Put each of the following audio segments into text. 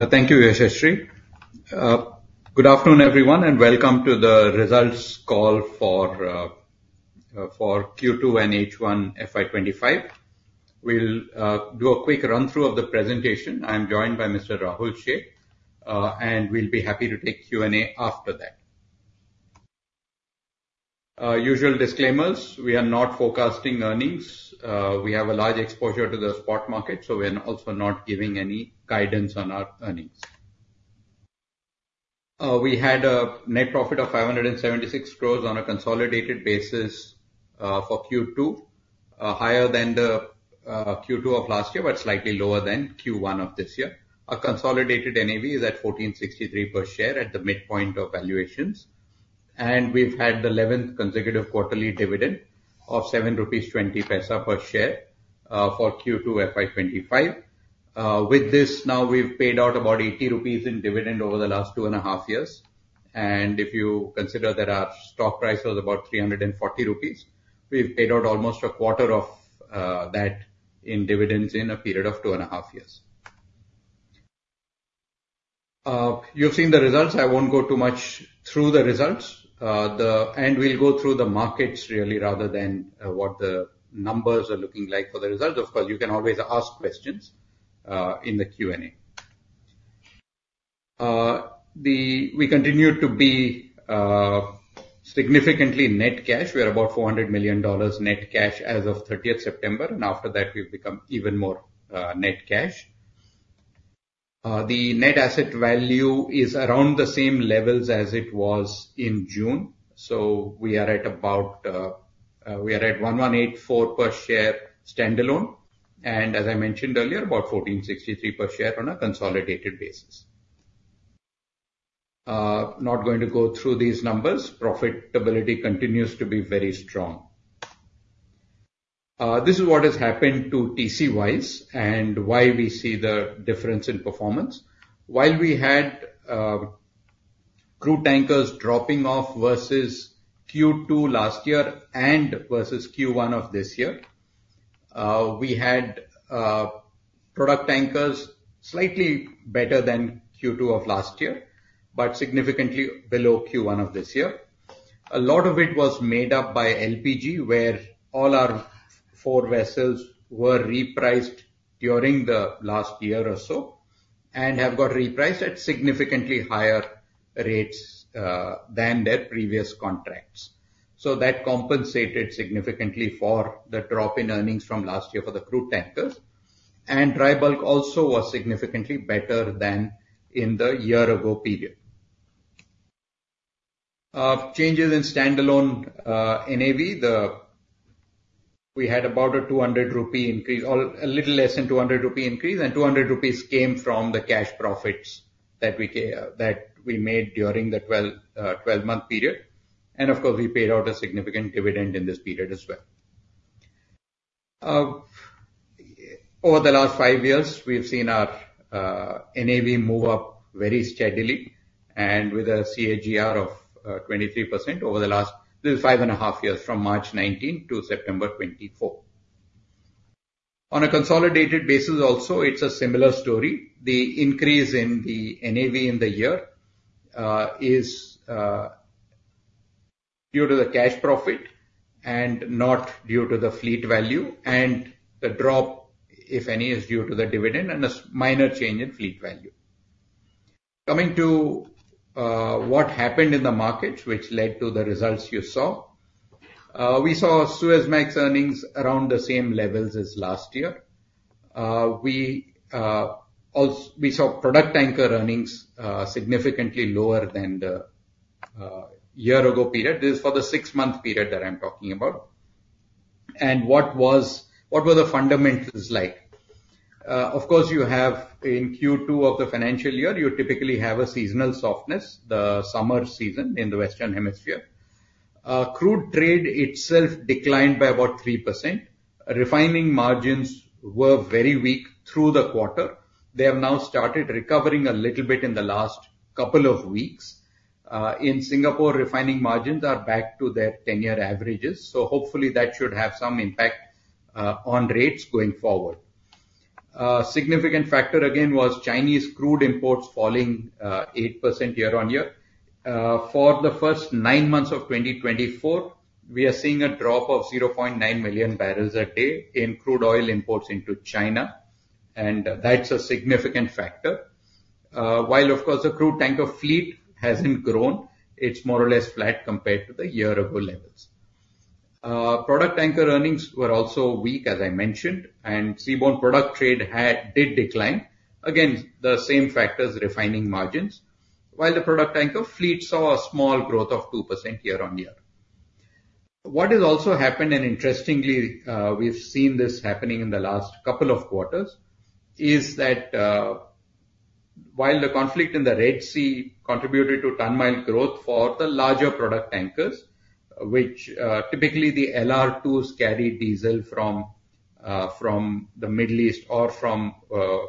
Thank you, Yashasri. Good afternoon, everyone, and welcome to the results call for Q2 and H1 FY25. We'll do a quick run-through of the presentation. I'm joined by Mr. Rahul Sheth, and we'll be happy to take Q&A after that. Usual disclaimers: we are not forecasting earnings. We have a large exposure to the spot market, so we're also not giving any guidance on our earnings. We had a net profit of 576 crores on a consolidated basis for Q2, higher than the Q2 of last year but slightly lower than Q1 of this year. Our consolidated NAV is at 1,463 per share at the midpoint of valuations. And we've had the 11th consecutive quarterly dividend of 7.20 rupees per share for Q2 FY25. With this, now we've paid out about 80 rupees in dividend over the last two and a half years. If you consider that our stock price was about 340 rupees, we've paid out almost a quarter of that in dividends in a period of two and a half years. You've seen the results. I won't go too much through the results. We'll go through the markets, really, rather than what the numbers are looking like for the results. Of course, you can always ask questions in the Q&A. We continue to be significantly net cash. We are about $400 million net cash as of 30 September, and after that, we've become even more net cash. The net asset value is around the same levels as it was in June. So we are at about 1,184 per share standalone. As I mentioned earlier, about 1,463 per share on a consolidated basis. Not going to go through these numbers. Profitability continues to be very strong. This is what has happened to TCE-wise and why we see the difference in performance. While we had crude tankers dropping off versus Q2 last year and versus Q1 of this year, we had product tankers slightly better than Q2 of last year but significantly below Q1 of this year. A lot of it was made up by LPG, where all our four vessels were repriced during the last year or so and have got repriced at significantly higher rates than their previous contracts. So that compensated significantly for the drop in earnings from last year for the crude tankers, and Dry bulk also was significantly better than in the year-ago period. Changes in standalone NAV: we had about a 200 rupee increase, a little less than 200 rupee increase, and 200 rupees came from the cash profits that we made during the 12-month period. Of course, we paid out a significant dividend in this period as well. Over the last five years, we've seen our NAV move up very steadily and with a CAGR of 23% over the last five and a half years, from March 2019 to September 2024. On a consolidated basis, also, it's a similar story. The increase in the NAV in the year is due to the cash profit and not due to the fleet value. And the drop, if any, is due to the dividend and a minor change in fleet value. Coming to what happened in the markets, which led to the results you saw, we saw Suezmax earnings around the same levels as last year. We saw product tanker earnings significantly lower than the year-ago period. This is for the six-month period that I'm talking about. And what were the fundamentals like? Of course, in Q2 of the financial year, you typically have a seasonal softness, the summer season in the Western Hemisphere. Crude trade itself declined by about 3%. Refining margins were very weak through the quarter. They have now started recovering a little bit in the last couple of weeks. In Singapore, refining margins are back to their 10-year averages. So hopefully, that should have some impact on rates going forward. Significant factor, again, was Chinese crude imports falling 8% year on year. For the first nine months of 2024, we are seeing a drop of 0.9 million barrels a day in crude oil imports into China. And that's a significant factor. While, of course, the crude tanker fleet hasn't grown, it's more or less flat compared to the year-ago levels. Product tanker earnings were also weak, as I mentioned, and seaborne product trade did decline. Again, the same factors, refining margins. While the product tanker fleet saw a small growth of 2% year on year. What has also happened, and interestingly, we've seen this happening in the last couple of quarters, is that while the conflict in the Red Sea contributed to ton-mile growth for the larger product tankers, which typically the LR2s carry diesel from the Middle East or from the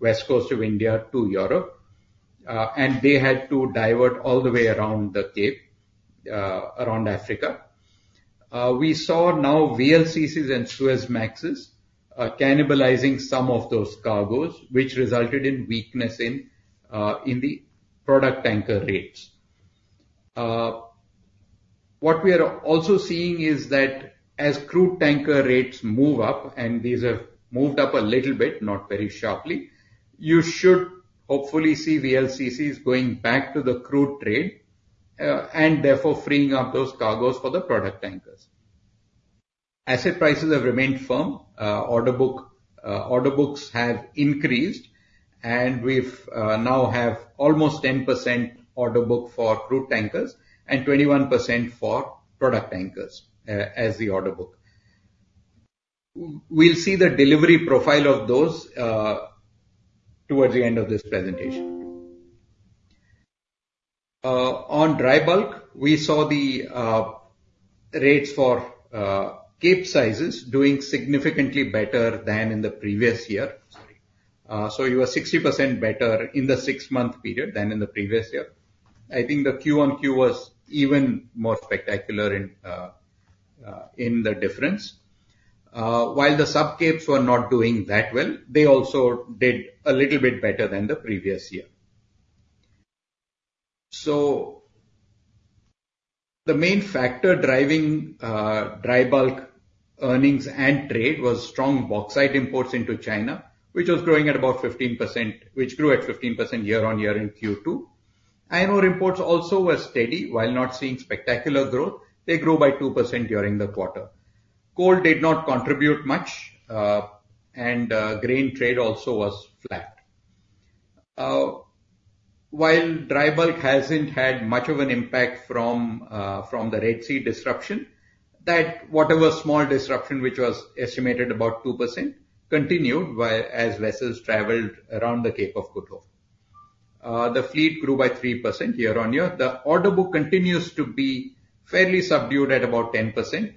West Coast of India to Europe, and they had to divert all the way around the Cape, around Africa, we saw now VLCCs and Suezmax cannibalizing some of those cargoes, which resulted in weakness in the product tanker rates. What we are also seeing is that as crude tanker rates move up, and these have moved up a little bit, not very sharply, you should hopefully see VLCCs going back to the crude trade and therefore freeing up those cargoes for the product tankers. Asset prices have remained firm. Order books have increased, and we now have almost 10% order book for crude tankers and 21% for product tankers as the order book. We'll see the delivery profile of those towards the end of this presentation. On Tribulk, we saw the rates for Capesize doing significantly better than in the previous year. So you are 60% better in the six-month period than in the previous year. I think the Q1-Q2 was even more spectacular in the difference. While the sub-Capes were not doing that well, they also did a little bit better than the previous year. So the main factor driving Tribulk earnings and trade was strong bauxite imports into China, which was growing at about 15%, which grew at 15% year on year in Q2. Iron ore imports also were steady. While not seeing spectacular growth, they grew by 2% during the quarter. Coal did not contribute much, and grain trade also was flat. While Tribulk hasn't had much of an impact from the Red Sea disruption, that whatever small disruption, which was estimated about 2%, continued as vessels traveled around the Cape of Good Hope. The fleet grew by 3% year on year. The order book continues to be fairly subdued at about 10%.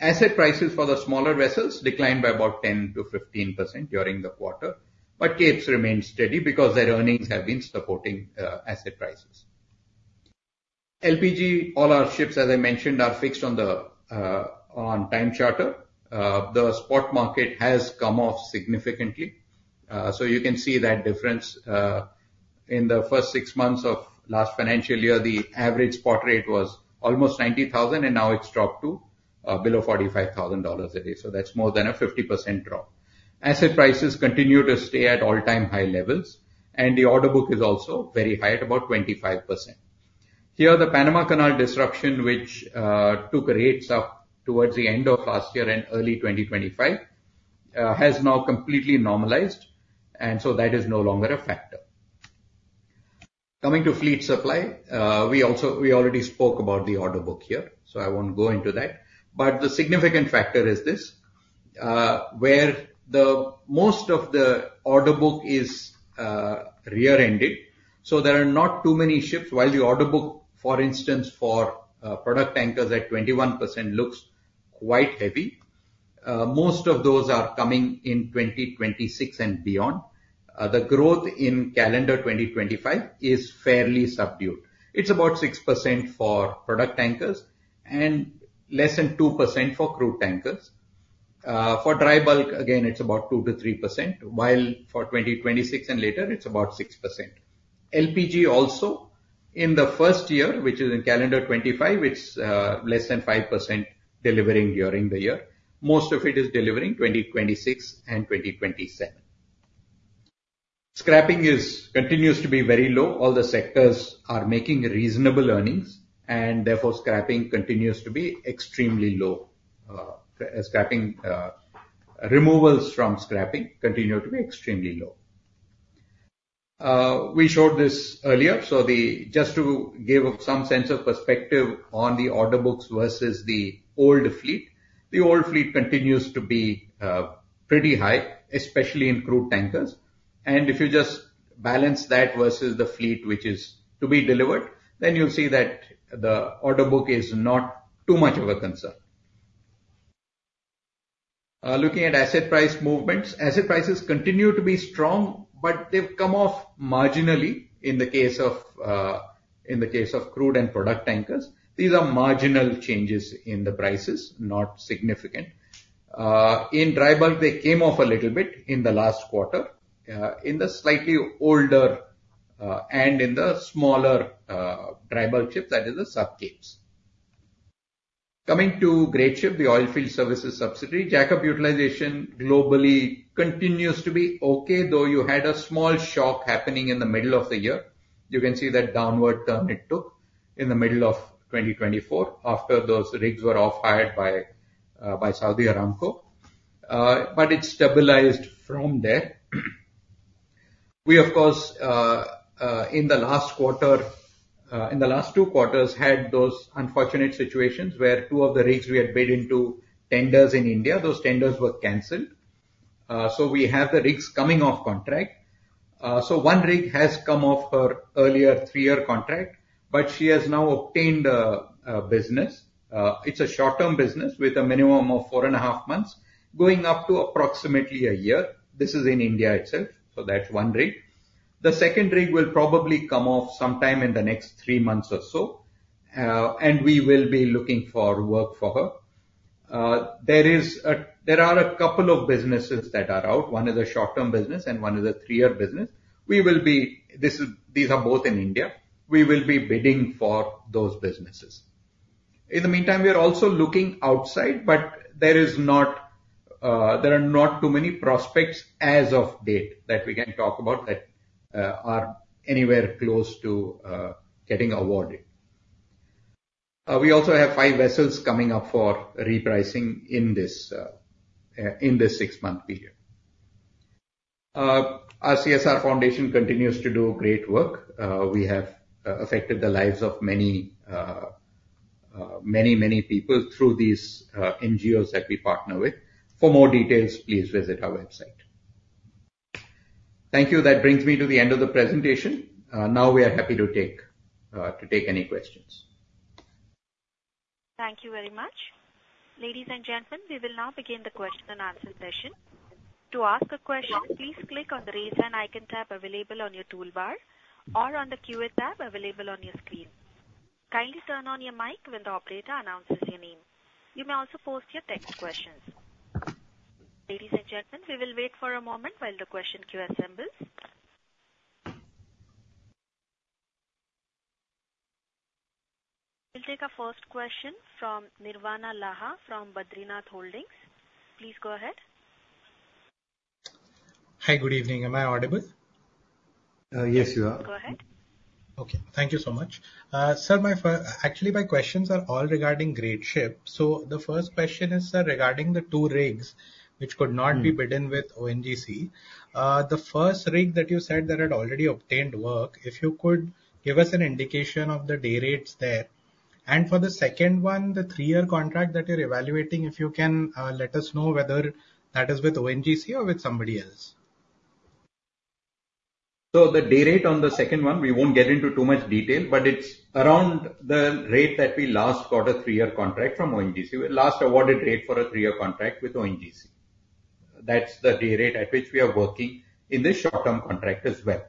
Asset prices for the smaller vessels declined by about 10%-15% during the quarter. But Capes remained steady because their earnings have been supporting asset prices. LPG, all our ships, as I mentioned, are fixed on time charter. The spot market has come off significantly, so you can see that difference. In the first six months of last financial year, the average spot rate was almost 90,000, and now it's dropped to below $45,000 a day, so that's more than a 50% drop. Asset prices continue to stay at all-time high levels, and the order book is also very high at about 25%. Here, the Panama Canal disruption, which took rates up towards the end of last year and early 2025, has now completely normalized, and so that is no longer a factor. Coming to fleet supply, we already spoke about the order book here, so I won't go into that, but the significant factor is this, where most of the order book is rear-ended, so there are not too many ships. While the order book, for instance, for product tankers at 21% looks quite heavy, most of those are coming in 2026 and beyond. The growth in calendar 2025 is fairly subdued. It's about 6% for product tankers and less than 2% for crude tankers. For Tribulk, again, it's about 2%-3%, while for 2026 and later, it's about 6%. LPG also, in the first year, which is in calendar 2025, it's less than 5% delivering during the year. Most of it is delivering 2026 and 2027. Scrapping continues to be very low. All the sectors are making reasonable earnings, and therefore, scrapping continues to be extremely low. Removals from scrapping continue to be extremely low. We showed this earlier. So just to give some sense of perspective on the order books versus the old fleet, the old fleet continues to be pretty high, especially in crude tankers. And if you just balance that versus the fleet which is to be delivered, then you'll see that the order book is not too much of a concern. Looking at asset price movements, asset prices continue to be strong, but they've come off marginally in the case of crude and product tankers. These are marginal changes in the prices, not significant. In Tribulk, they came off a little bit in the last quarter, in the slightly older and in the smaller Tribulk ship, that is the sub-Capes. Coming to Greatship, the Oilfield Services Subsidiary, jack-up utilization globally continues to be okay, though you had a small shock happening in the middle of the year. You can see that downward turn it took in the middle of 2024 after those rigs were off-hired by Saudi Aramco. But it stabilized from there. We, of course, in the last quarter, in the last two quarters, had those unfortunate situations where two of the rigs we had bid into tenders in India. Those tenders were canceled. So we have the rigs coming off contract. So one rig has come off her earlier three-year contract, but she has now obtained a business. It's a short-term business with a minimum of four and a half months going up to approximately a year. This is in India itself. So that's one rig. The second rig will probably come off sometime in the next three months or so, and we will be looking for work for her. There are a couple of businesses that are out. One is a short-term business, and one is a three-year business. These are both in India. We will be bidding for those businesses. In the meantime, we are also looking outside, but there are not too many prospects as of date that we can talk about that are anywhere close to getting awarded. We also have five vessels coming up for repricing in this six-month period. Our CSR Foundation continues to do great work. We have affected the lives of many, many, many people through these NGOs that we partner with. For more details, please visit our website. Thank you. That brings me to the end of the presentation. Now we are happy to take any questions. Thank you very much. Ladies and gentlemen, we will now begin the question and answer session. To ask a question, please click on the raise hand icon tab available on your toolbar or on the Q&A tab available on your screen. Kindly turn on your mic when the operator announces your name. You may also post your text questions. Ladies and gentlemen, we will wait for a moment while the question queue assembles. We'll take our first question from Nirvan Laha from Badrinath Holdings. Please go ahead. Hi, good evening. Am I audible? Yes, you are. Go ahead. Okay. Thank you so much. Actually, my questions are all regarding Greatship. So the first question is regarding the two rigs which could not be bidden with ONGC. The first rig that you said there had already obtained work, if you could give us an indication of the day rates there? And for the second one, the three-year contract that you're evaluating, if you can let us know whether that is with ONGC or with somebody else? So the day rate on the second one, we won't get into too much detail, but it's around the rate that we last got a three-year contract from ONGC. We last awarded rate for a three-year contract with ONGC. That's the day rate at which we are working in the short-term contract as well.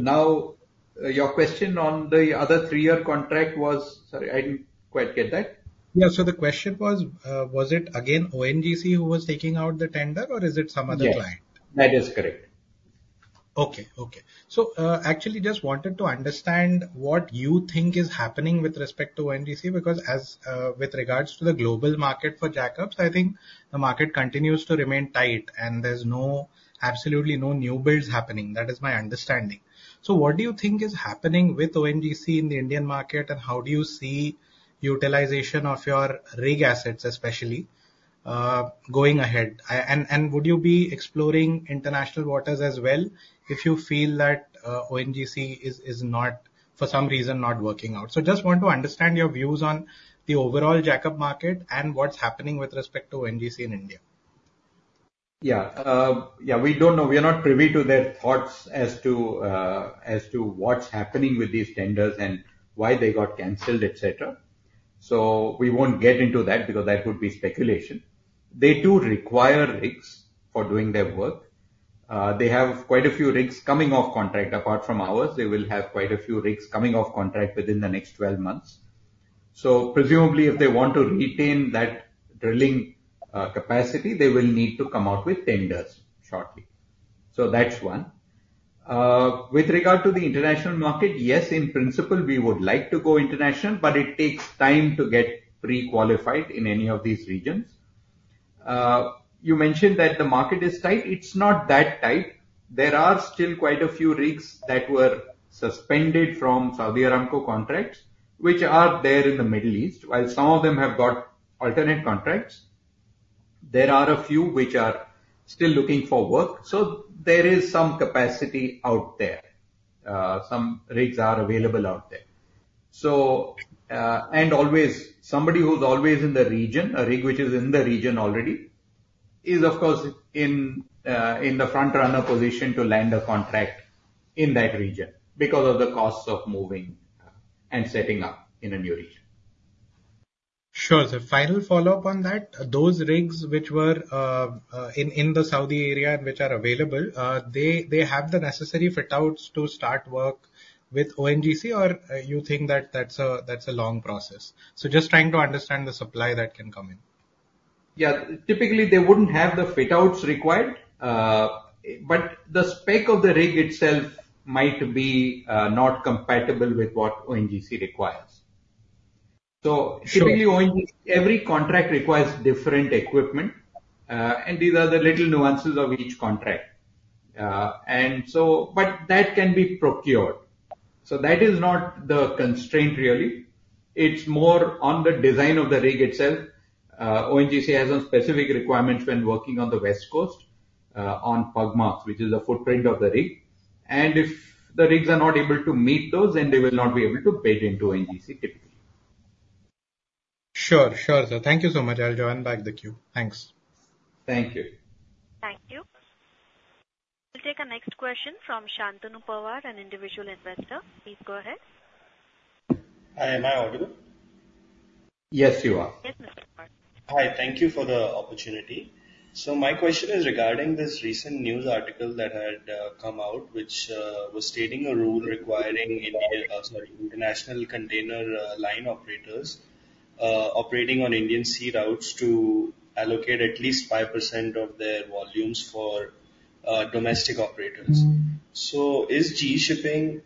Now, your question on the other three-year contract was, sorry, I didn't quite get that. Yeah. So the question was, was it again ONGC who was taking out the tender, or is it some other client? That is correct. Okay. So actually, just wanted to understand what you think is happening with respect to ONGC because with regards to the global market for jack-ups, I think the market continues to remain tight, and there's absolutely no new builds happening. That is my understanding. So what do you think is happening with ONGC in the Indian market, and how do you see utilization of your rig assets, especially going ahead? And would you be exploring international waters as well if you feel that ONGC is, for some reason, not working out? So just want to understand your views on the overall jack-up market and what's happening with respect to ONGC in India. Yeah. Yeah. We don't know. We are not privy to their thoughts as to what's happening with these tenders and why they got canceled, etc. So we won't get into that because that would be speculation. They do require rigs for doing their work. They have quite a few rigs coming off contract. Apart from ours, they will have quite a few rigs coming off contract within the next 12 months. So presumably, if they want to retain that drilling capacity, they will need to come out with tenders shortly. So that's one. With regard to the international market, yes, in principle, we would like to go international, but it takes time to get pre-qualified in any of these regions. You mentioned that the market is tight. It's not that tight. There are still quite a few rigs that were suspended from Saudi Aramco contracts, which are there in the Middle East, while some of them have got alternate contracts. There are a few which are still looking for work. So there is some capacity out there. Some rigs are available out there. And always, somebody who's always in the region, a rig which is in the region already, is, of course, in the front-runner position to land a contract in that region because of the costs of moving and setting up in a new region. Sure. So final follow-up on that. Those rigs which were in the Saudi area and which are available, they have the necessary fit-outs to start work with ONGC, or you think that that's a long process? So just trying to understand the supply that can come in. Yeah. Typically, they wouldn't have the fit-outs required, but the spec of the rig itself might be not compatible with what ONGC requires. So typically, every contract requires different equipment, and these are the little nuances of each contract. But that can be procured. So that is not the constraint, really. It's more on the design of the rig itself. ONGC has some specific requirements when working on the West Coast on jack-ups, which is the footprint of the rig. And if the rigs are not able to meet those, then they will not be able to bid into ONGC, typically. Sure. Sure. So thank you so much. I'll join back the queue. Thanks. Thank you. Thank you. We'll take a next question from Shantanu Pawar, an individual investor. Please go ahead. Hi. Am I audible? Yes, you are. Yes, Mr. Pawar. Hi. Thank you for the opportunity. So my question is regarding this recent news article that had come out, which was stating a rule requiring international container line operators operating on Indian sea routes to allocate at least 5% of their volumes for domestic operators. So is GE Shipping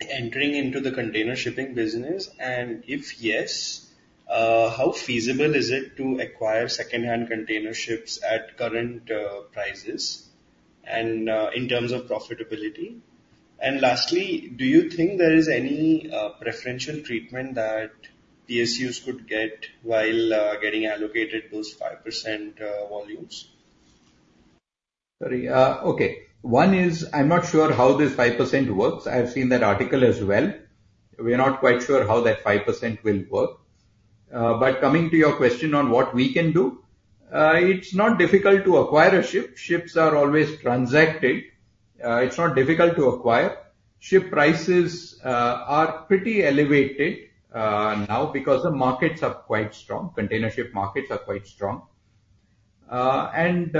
entering into the container shipping business? And if yes, how feasible is it to acquire second-hand container ships at current prices and in terms of profitability? And lastly, do you think there is any preferential treatment that PSUs could get while getting allocated those 5% volumes? Sorry. Okay. One is, I'm not sure how this 5% works. I've seen that article as well. We're not quite sure how that 5% will work. But coming to your question on what we can do, it's not difficult to acquire a ship. Ships are always transacted. It's not difficult to acquire. Ship prices are pretty elevated now because the markets are quite strong. Container ship markets are quite strong, and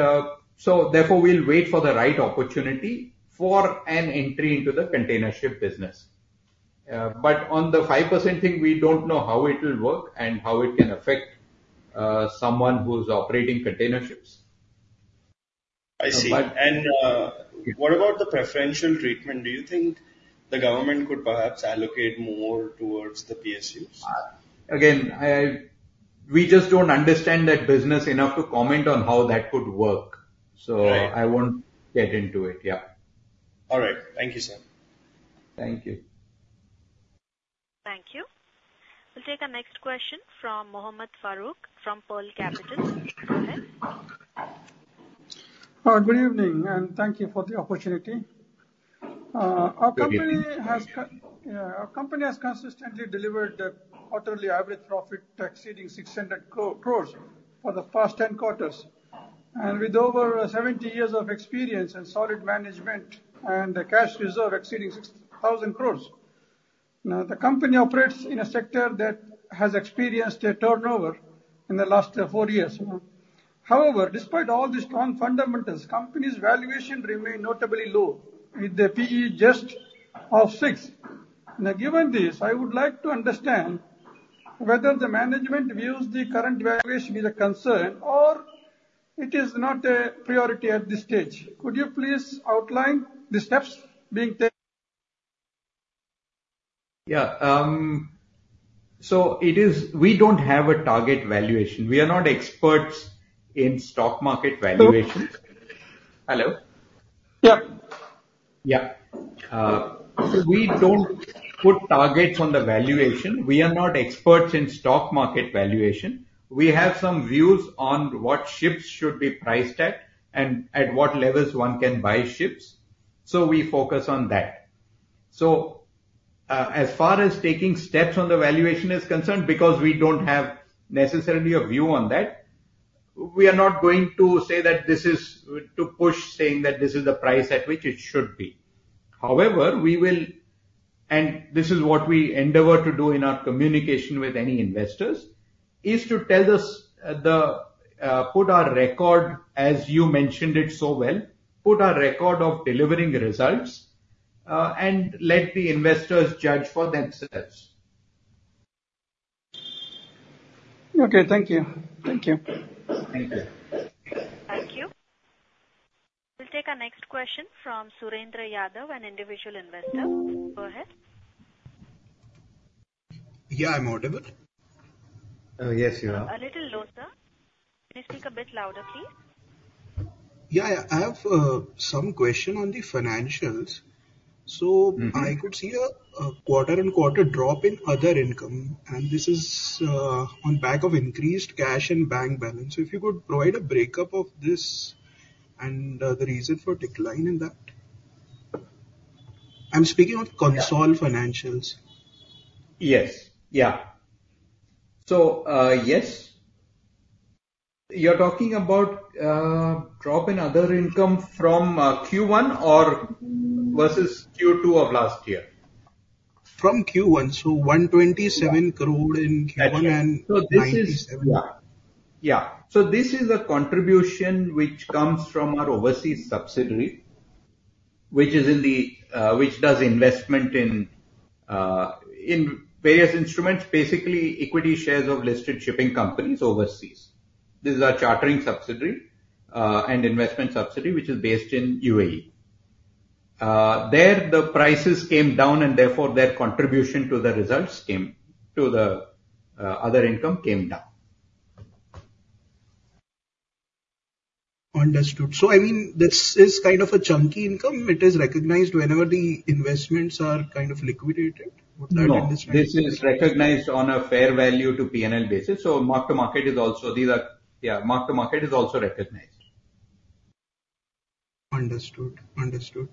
so therefore, we'll wait for the right opportunity for an entry into the container ship business, but on the 5% thing, we don't know how it will work and how it can affect someone who's operating container ships. I see. And what about the preferential treatment? Do you think the government could perhaps allocate more towards the PSUs? Again, we just don't understand that business enough to comment on how that could work. So I won't get into it. Yeah. All right. Thank you, sir. Thank you. Thank you. We'll take a next question from Mohammad Farooq from Pearl Capital. Go ahead. Good evening, and thank you for the opportunity. Our company has consistently delivered a quarterly average profit exceeding 600 crores for the past 10 quarters. And with over 70 years of experience and solid management and a cash reserve exceeding 6,000 crores, the company operates in a sector that has experienced a turnover in the last four years. However, despite all these strong fundamentals, the company's valuation remained notably low, with a P/E just of 6. Now, given this, I would like to understand whether the management views the current valuation as a concern or it is not a priority at this stage. Could you please outline the steps being taken? Yeah. So we don't have a target valuation. We are not experts in stock market valuation. Hello. Yeah. Yeah. So we don't put targets on the valuation. We are not experts in stock market valuation. We have some views on what ships should be priced at and at what levels one can buy ships. So we focus on that. So as far as taking steps on the valuation is concerned, because we don't have necessarily a view on that, we are not going to say that this is to push, saying that this is the price at which it should be. However, we will, and this is what we endeavor to do in our communication with any investors, is to put our record, as you mentioned it so well, put our record of delivering results and let the investors judge for themselves. Okay. Thank you. Thank you. Thank you. Thank you. We'll take our next question from Surendra Yadav, an individual investor. Go ahead. Yeah. I'm audible. Yes, you are. A little lower, sir. Can you speak a bit louder, please? Yeah. I have some question on the financials. So I could see a quarter-on-quarter drop in other income, and this is on the back of increased cash and bank balance. So if you could provide a breakdown of this and the reason for decline in that. I'm speaking of consolidated financials. Yes. Yeah. So yes. You're talking about a drop in other income from Q1 versus Q2 of last year? From Q1. So 127 crore in Q1 and 97. So this is a contribution which comes from our overseas subsidiary, which does investment in various instruments, basically equity shares of listed shipping companies overseas. This is our chartering subsidiary and investment subsidiary, which is based in UAE. There, the prices came down, and therefore, their contribution to the other income came down. Understood. So I mean, this is kind of a chunky income. It is recognized whenever the investments are kind of liquidated. Would that be understood? This is recognized on a fair value to P&L basis. So mark-to-market is also recognized. Understood. Understood.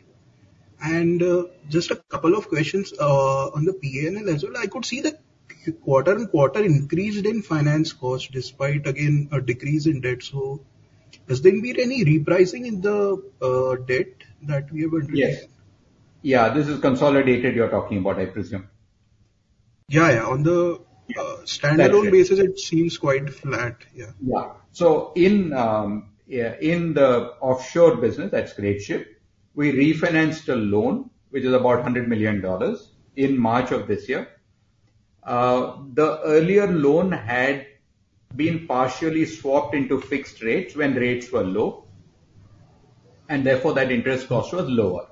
And just a couple of questions on the P&L as well. I could see that quarter-on-quarter increased in finance cost despite, again, a decrease in debt. So has there been any repricing in the debt that we have undertaken? Yes. Yeah. This is consolidated you're talking about, I presume. Yeah. Yeah. On the standalone basis, it seems quite flat. Yeah. Yeah. So in the offshore business, that's Greatship, we refinanced a loan, which is about $100 million in March of this year. The earlier loan had been partially swapped into fixed rates when rates were low, and therefore, that interest cost was lower.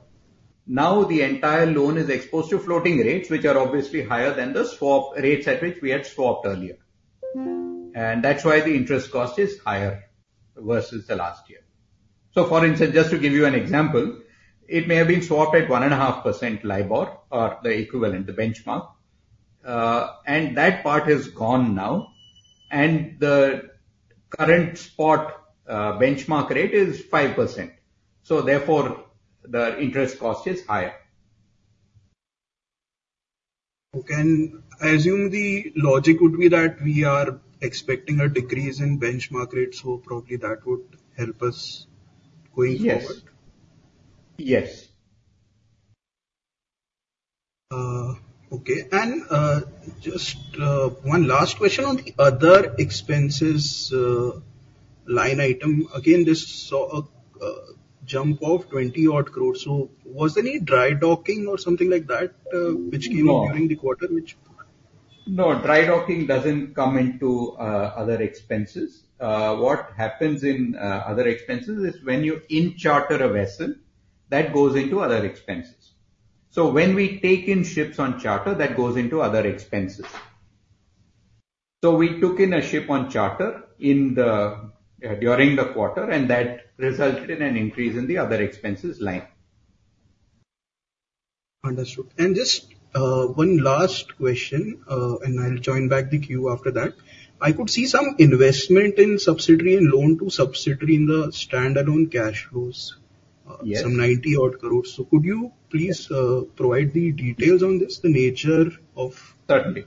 Now, the entire loan is exposed to floating rates, which are obviously higher than the rates at which we had swapped earlier. And that's why the interest cost is higher versus the last year. So for instance, just to give you an example, it may have been swapped at 1.5% LIBOR or the equivalent, the benchmark. And that part has gone now, and the current spot benchmark rate is 5%. So therefore, the interest cost is higher. Okay. And I assume the logic would be that we are expecting a decrease in benchmark rates, so probably that would help us going forward. Yes. Yes. Okay. And just one last question on the other expenses line item. Again, this saw a jump of 20-odd crores. So was there any dry docking or something like that which came up during the quarter? No. Dry docking doesn't come into other expenses. What happens in other expenses is when you in-charter a vessel, that goes into other expenses. So when we take in ships on charter, that goes into other expenses. So we took in a ship on charter during the quarter, and that resulted in an increase in the other expenses line. Understood. And just one last question, and I'll join back the queue after that. I could see some investment in subsidiary and loan-to-subsidiary in the standalone cash flows, some 90-odd crores. So could you please provide the details on this, the nature of the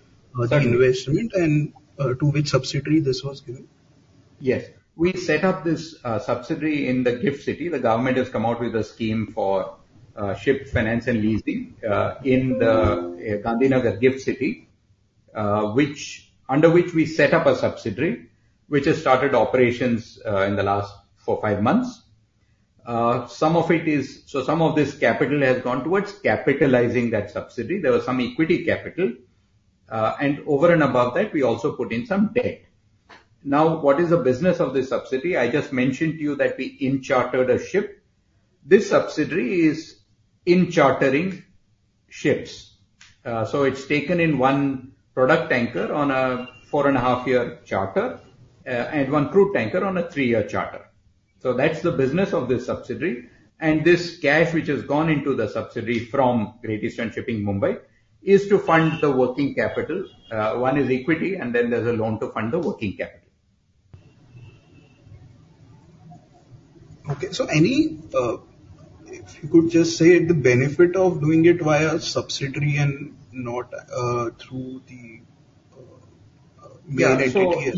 investment and to which subsidiary this was given? Yes. We set up this subsidiary in the GIFT City. The government has come out with a scheme for ship finance and leasing in the Gandhinagar GIFT City, under which we set up a subsidiary which has started operations in the last four, five months. So some of this capital has gone towards capitalizing that subsidiary. There was some equity capital. And over and above that, we also put in some debt. Now, what is the business of this subsidiary? I just mentioned to you that we in-chartered a ship. This subsidiary is in-chartering ships. So it's taken in one product tanker on a four-and-a-half-year charter and one crude tanker on a three-year charter. So that's the business of this subsidiary. And this cash which has gone into the subsidiary from Great Eastern Shipping Mumbai is to fund the working capital. One is equity, and then there's a loan to fund the working capital. Okay, so if you could just say the benefit of doing it via subsidiary and not through the main entity?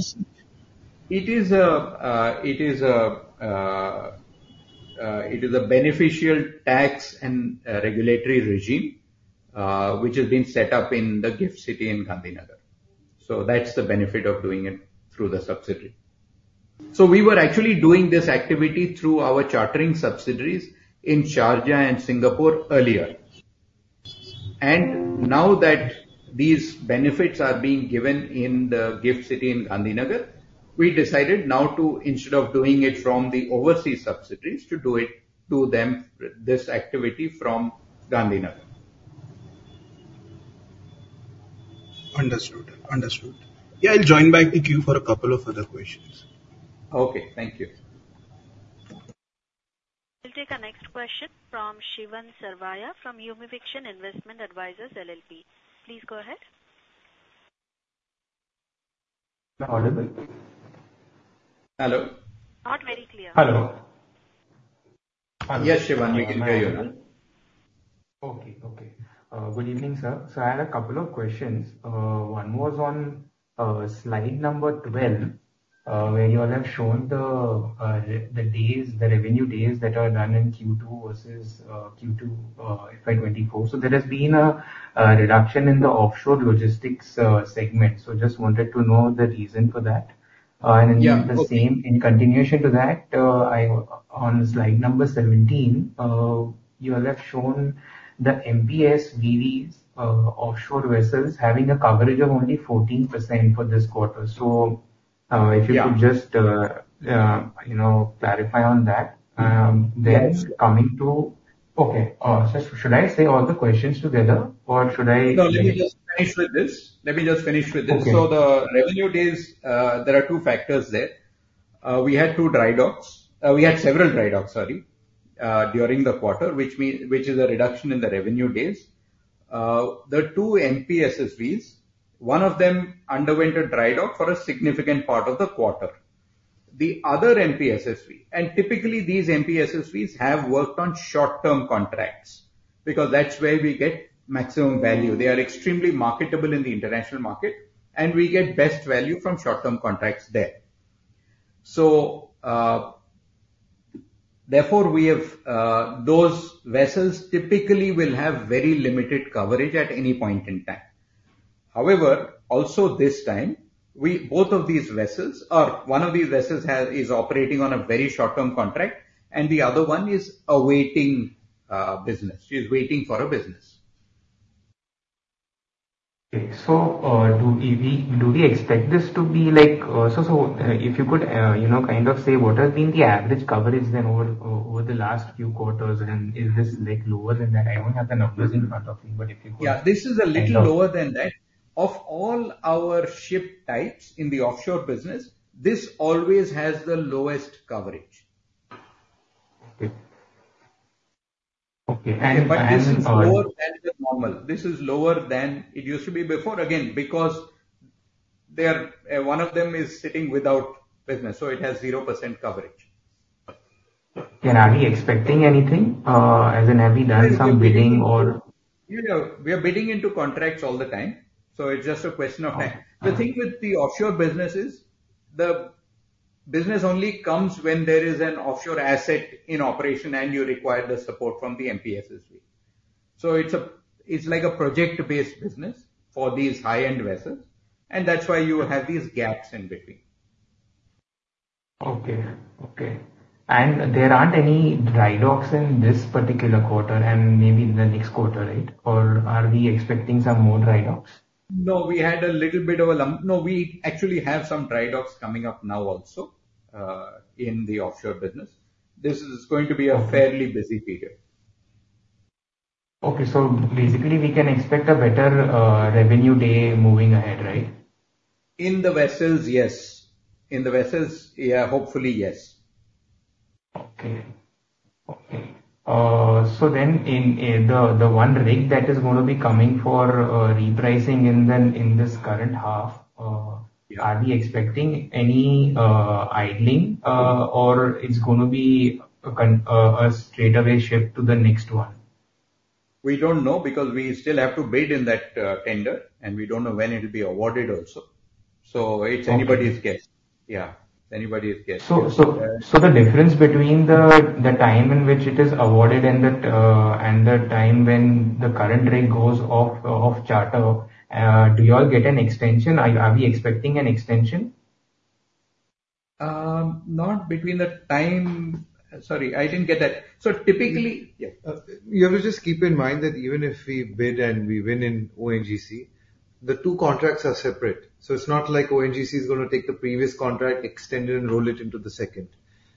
It is a beneficial tax and regulatory regime which has been set up in the GIFT City in Gandhinagar. So that's the benefit of doing it through the subsidiary. So we were actually doing this activity through our chartering subsidiaries in Sharjah and Singapore earlier. And now that these benefits are being given in the GIFT City in Gandhinagar, we decided now to, instead of doing it from the overseas subsidiaries, to do this activity from Gandhinagar. Understood. Understood. Yeah. I'll join back the queue for a couple of other questions. Okay. Thank you. We'll take a next question from Shivan Sarvaiya from Yumiviction Investment Advisors LLP. Please go ahead. I'm audible. Hello? Not very clear. Hello. Yes, Shivan. We can hear you now. Okay. Okay. Good evening, sir. So I had a couple of questions. One was on slide number 12, where you all have shown the revenue days that are done in Q2 versus Q2 FY24. So there has been a reduction in the offshore logistics segment. So just wanted to know the reason for that. And in the same continuation to that, on slide number 17, you all have shown the MPSSVs offshore vessels having a coverage of only 14% for this quarter. So if you could just clarify on that. Then coming to, okay. So should I say all the questions together, or should I? No. Let me just finish with this. So the revenue days, there are two factors there. We had two dry docks. We had several dry docks, sorry, during the quarter, which is a reduction in the revenue days. There are two MPSSVs. One of them underwent a dry dock for a significant part of the quarter. The other MPSSV, and typically, these MPSSVs have worked on short-term contracts because that's where we get maximum value. They are extremely marketable in the international market, and we get best value from short-term contracts there. So therefore, those vessels typically will have very limited coverage at any point in time. However, also this time, both of these vessels are, one of these vessels is operating on a very short-term contract, and the other one is awaiting business. She's waiting for a business. Okay. So do we expect this to be so? If you could kind of say, what has been the average coverage then over the last few quarters, and is this lower than that? I don't have the numbers in front of me, but if you could. Yeah. This is a little lower than that. Of all our ship types in the offshore business, this always has the lowest coverage. Okay. And this is lower than the normal. This is lower than it used to be before, again, because one of them is sitting without business, so it has 0% coverage. Can I be expecting anything? As in, have we done some bidding or? Yeah. We are bidding into contracts all the time. So it's just a question of time. The thing with the offshore business is the business only comes when there is an offshore asset in operation and you require the support from the MPSSV. So it's like a project-based business for these high-end vessels, and that's why you have these gaps in between. Okay. And there aren't any dry docks in this particular quarter and maybe in the next quarter, right? Or are we expecting some more dry docks? No. We actually have some dry docks coming up now also in the offshore business. This is going to be a fairly busy period. Okay, so basically, we can expect a better revenue day moving ahead, right? In the vessels, yes. In the vessels, yeah, hopefully, yes. Okay. So then the one rig that is going to be coming for repricing in this current half, are we expecting any idling, or it's going to be a straightaway ship to the next one? We don't know because we still have to bid in that tender, and we don't know when it'll be awarded also. So it's anybody's guess. Yeah. It's anybody's guess. So the difference between the time in which it is awarded and the time when the current rig goes off charter, do you all get an extension? Are we expecting an extension? I didn't get that. So typically, yeah. You have to just keep in mind that even if we bid and we win in ONGC, the two contracts are separate. So it's not like ONGC is going to take the previous contract, extend it, and roll it into the second.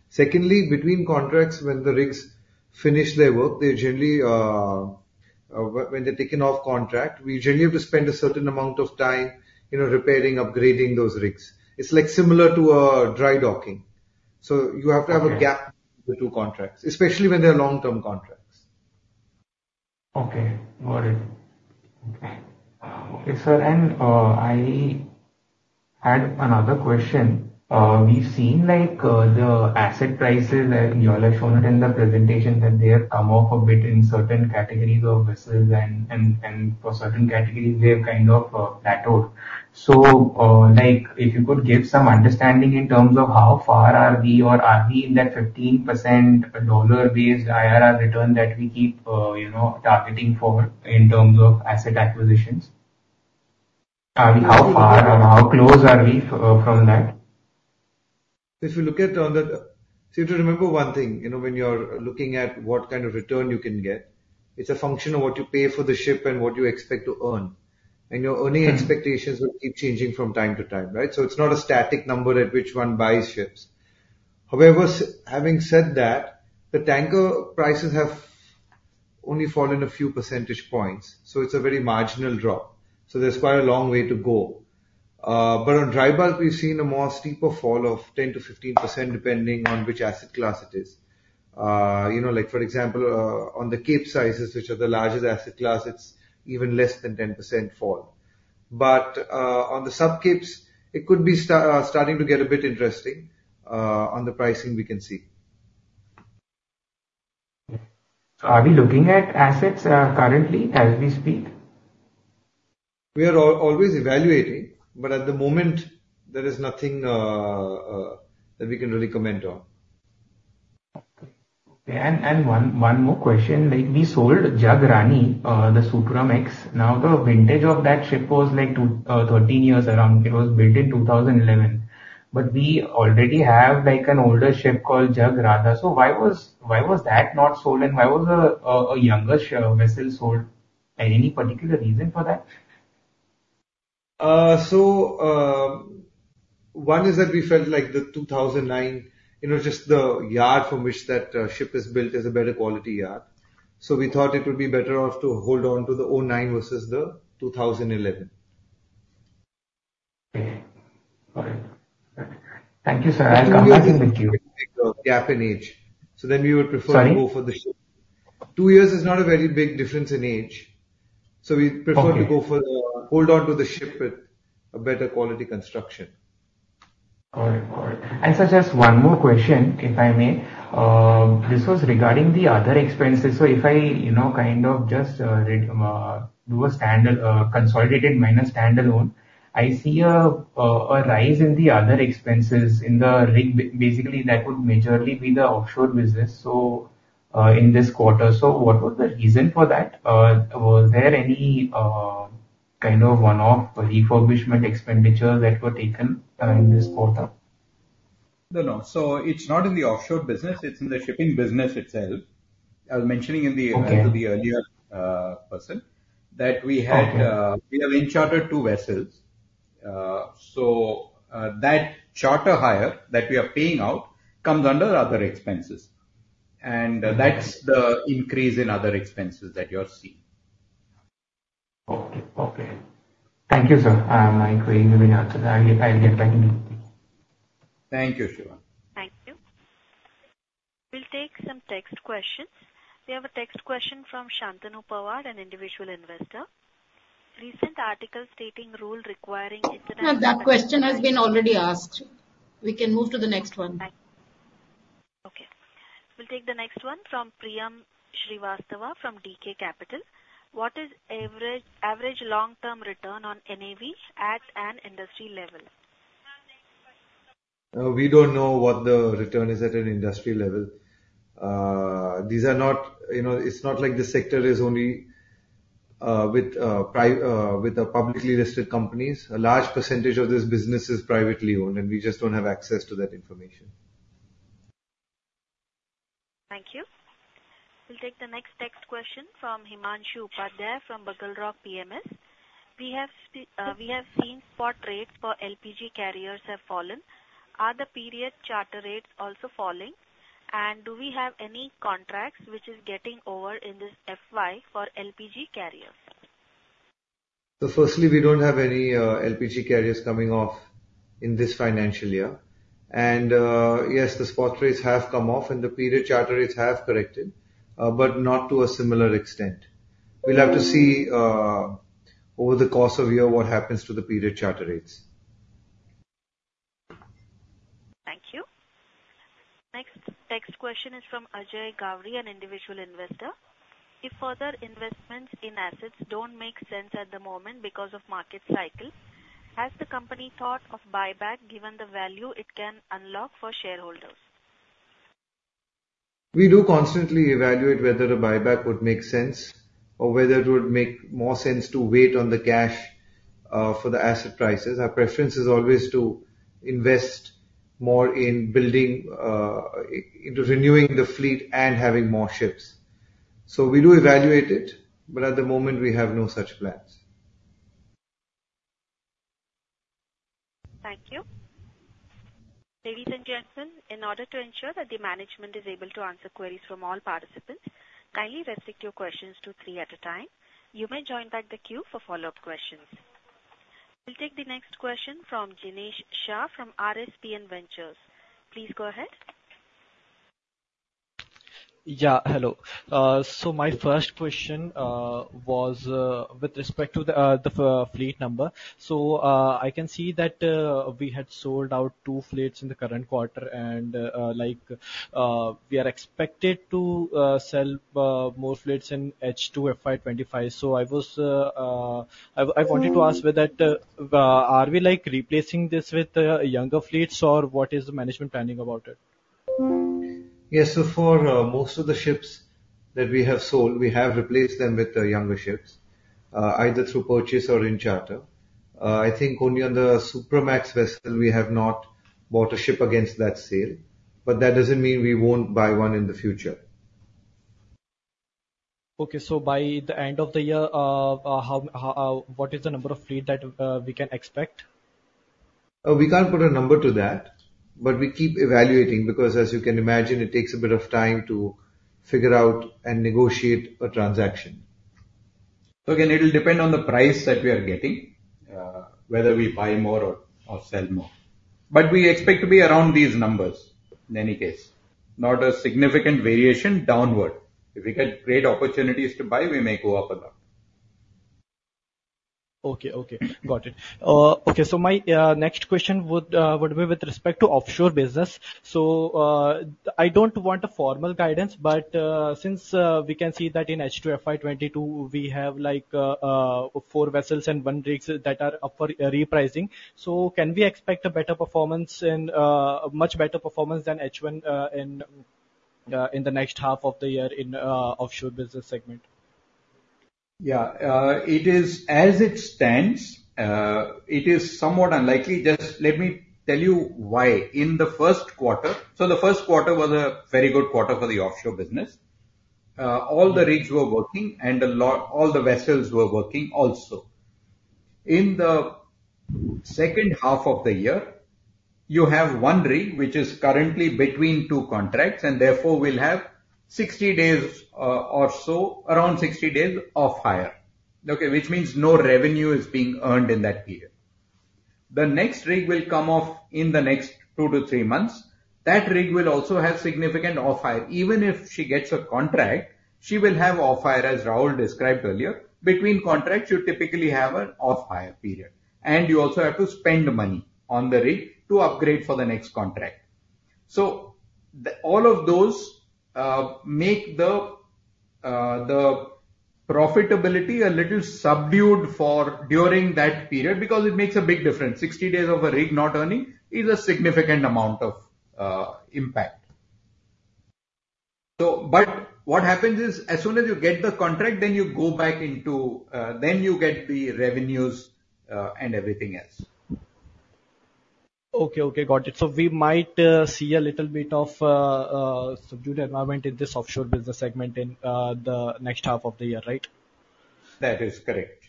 Secondly, between contracts, when the rigs finish their work, they generally, when they're taken off contract, we generally have to spend a certain amount of time repairing, upgrading those rigs. It's similar to a dry docking. So you have to have a gap between the two contracts, especially when they're long-term contracts. Okay. Got it. Okay. Okay, sir. And I had another question. We've seen the asset prices that you all have shown it in the presentation that they have come off a bit in certain categories of vessels, and for certain categories, they have kind of plateaued. So if you could give some understanding in terms of how far are we, or are we in that 15% dollar-based IRR return that we keep targeting for in terms of asset acquisitions? How far or how close are we from that? If you look at it, so you have to remember one thing. When you're looking at what kind of return you can get, it's a function of what you pay for the ship and what you expect to earn. And your earning expectations will keep changing from time to time, right? So it's not a static number at which one buys ships. However, having said that, the tanker prices have only fallen a few percentage points. So it's a very marginal drop. So there's quite a long way to go. But on dry bulk, we've seen a more steeper fall of 10%-15% depending on which asset class it is. For example, on the cape sizes, which are the largest asset class, it's even less than 10% fall. But on the sub-capes, it could be starting to get a bit interesting on the pricing we can see. Are we looking at assets currently as we speak? We are always evaluating, but at the moment, there is nothing that we can really comment on. Okay. Okay. And one more question. We sold Jag Rani, the Supramax. Now, the vintage of that ship was 13 years around. It was built in 2011. But we already have an older ship called Jag Radha. So why was that not sold, and why was a younger vessel sold? Any particular reason for that? So one is that we felt like the 2009, just the yard from which that ship is built is a better quality yard. So we thought it would be better off to hold on to the 2009 versus the 2011. Okay. All right. Thank you, sir. I'll come back with you. Gap in age. So then we would prefer to go for the ship. Two years is not a very big difference in age. So we prefer to hold on to the ship with a better quality construction. All right. All right. And just one more question, if I may. This was regarding the other expenses. So if I kind of just do a consolidated minus standalone, I see a rise in the other expenses in the rig. Basically, that would majorly be the offshore business in this quarter. So what was the reason for that? Was there any kind of one-off refurbishment expenditure that were taken in this quarter? No. No. So it's not in the offshore business. It's in the shipping business itself. I was mentioning to the earlier person that we have in-chartered two vessels. So that charter hire that we are paying out comes under other expenses. And that's the increase in other expenses that you are seeing. Okay. Okay. Thank you, sir. My query will be answered. I'll get back to you. Thank you, Shivan. Thank you. We'll take some text questions. We have a text question from Shantanu Pawar, an individual investor. Recent article stating rule requiring international. That question has been already asked. We can move to the next one. Okay. We'll take the next one from Priyam Srivastava from B&K Capital. What is average long-term return on NAV at an industry level? We don't know what the return is at an industry level. These are not. It's not like the sector is only with publicly listed companies. A large percentage of this business is privately owned, and we just don't have access to that information. Thank you. We'll take the next text question from Himanshu Upadhyay from Bugle Rock Capital. We have seen spot rates for LPG carriers have fallen. Are the period charter rates also falling? And do we have any contracts which are getting over in this FY for LPG carriers? So firstly, we don't have any LPG carriers coming off in this financial year. And yes, the spot rates have come off, and the period charter rates have corrected, but not to a similar extent. We'll have to see over the course of the year what happens to the period charter rates. Thank you. Next question is from Ajay Gauri, an individual investor. If further investments in assets don't make sense at the moment because of market cycles, has the company thought of buyback given the value it can unlock for shareholders? We do constantly evaluate whether a buyback would make sense or whether it would make more sense to wait on the cash for the asset prices. Our preference is always to invest more in renewing the fleet and having more ships. So we do evaluate it, but at the moment, we have no such plans. Thank you. Ladies and gentlemen, in order to ensure that the management is able to answer queries from all participants, kindly restrict your questions to three at a time. You may join back the queue for follow-up questions. We'll take the next question from Jinesh Shah from RSPN Ventures. Please go ahead. Yeah. Hello. So my first question was with respect to the fleet number. So I can see that we had sold out two fleets in the current quarter, and we are expected to sell more fleets in H2 FY 2025. So I wanted to ask whether are we replacing this with younger fleets, or what is the management planning about it? Yes. So for most of the ships that we have sold, we have replaced them with younger ships, either through purchase or in charter. I think only on the Supramax vessel, we have not bought a ship against that sale. But that doesn't mean we won't buy one in the future. Okay. So by the end of the year, what is the number of fleet that we can expect? We can't put a number to that, but we keep evaluating because, as you can imagine, it takes a bit of time to figure out and negotiate a transaction. So again, it'll depend on the price that we are getting, whether we buy more or sell more. But we expect to be around these numbers in any case, not a significant variation downward. If we get great opportunities to buy, we may go up a lot. Okay. Got it. So my next question would be with respect to offshore business. So I don't want a formal guidance, but since we can see that in H2 FY 2022, we have four vessels and one rig that are up for repricing, so can we expect a much better performance than H1 in the next half of the year in offshore business segment? Yeah. As it stands, it is somewhat unlikely. Just let me tell you why. In the first quarter, so the first quarter was a very good quarter for the offshore business. All the rigs were working, and all the vessels were working also. In the second half of the year, you have one rig which is currently between two contracts, and therefore we'll have 60 days or so, around 60 days off hire, which means no revenue is being earned in that period. The next rig will come off in the next two to three months. That rig will also have significant off hire. Even if she gets a contract, she will have off hire, as Rahul described earlier. Between contracts, you typically have an off hire period, and you also have to spend money on the rig to upgrade for the next contract. All of those make the profitability a little subdued during that period because it makes a big difference. 60 days of a rig not earning is a significant amount of impact. But what happens is, as soon as you get the contract, then you go back into, you get the revenues and everything else. Okay. Okay. Got it. So we might see a little bit of subdued environment in this offshore business segment in the next half of the year, right? That is correct.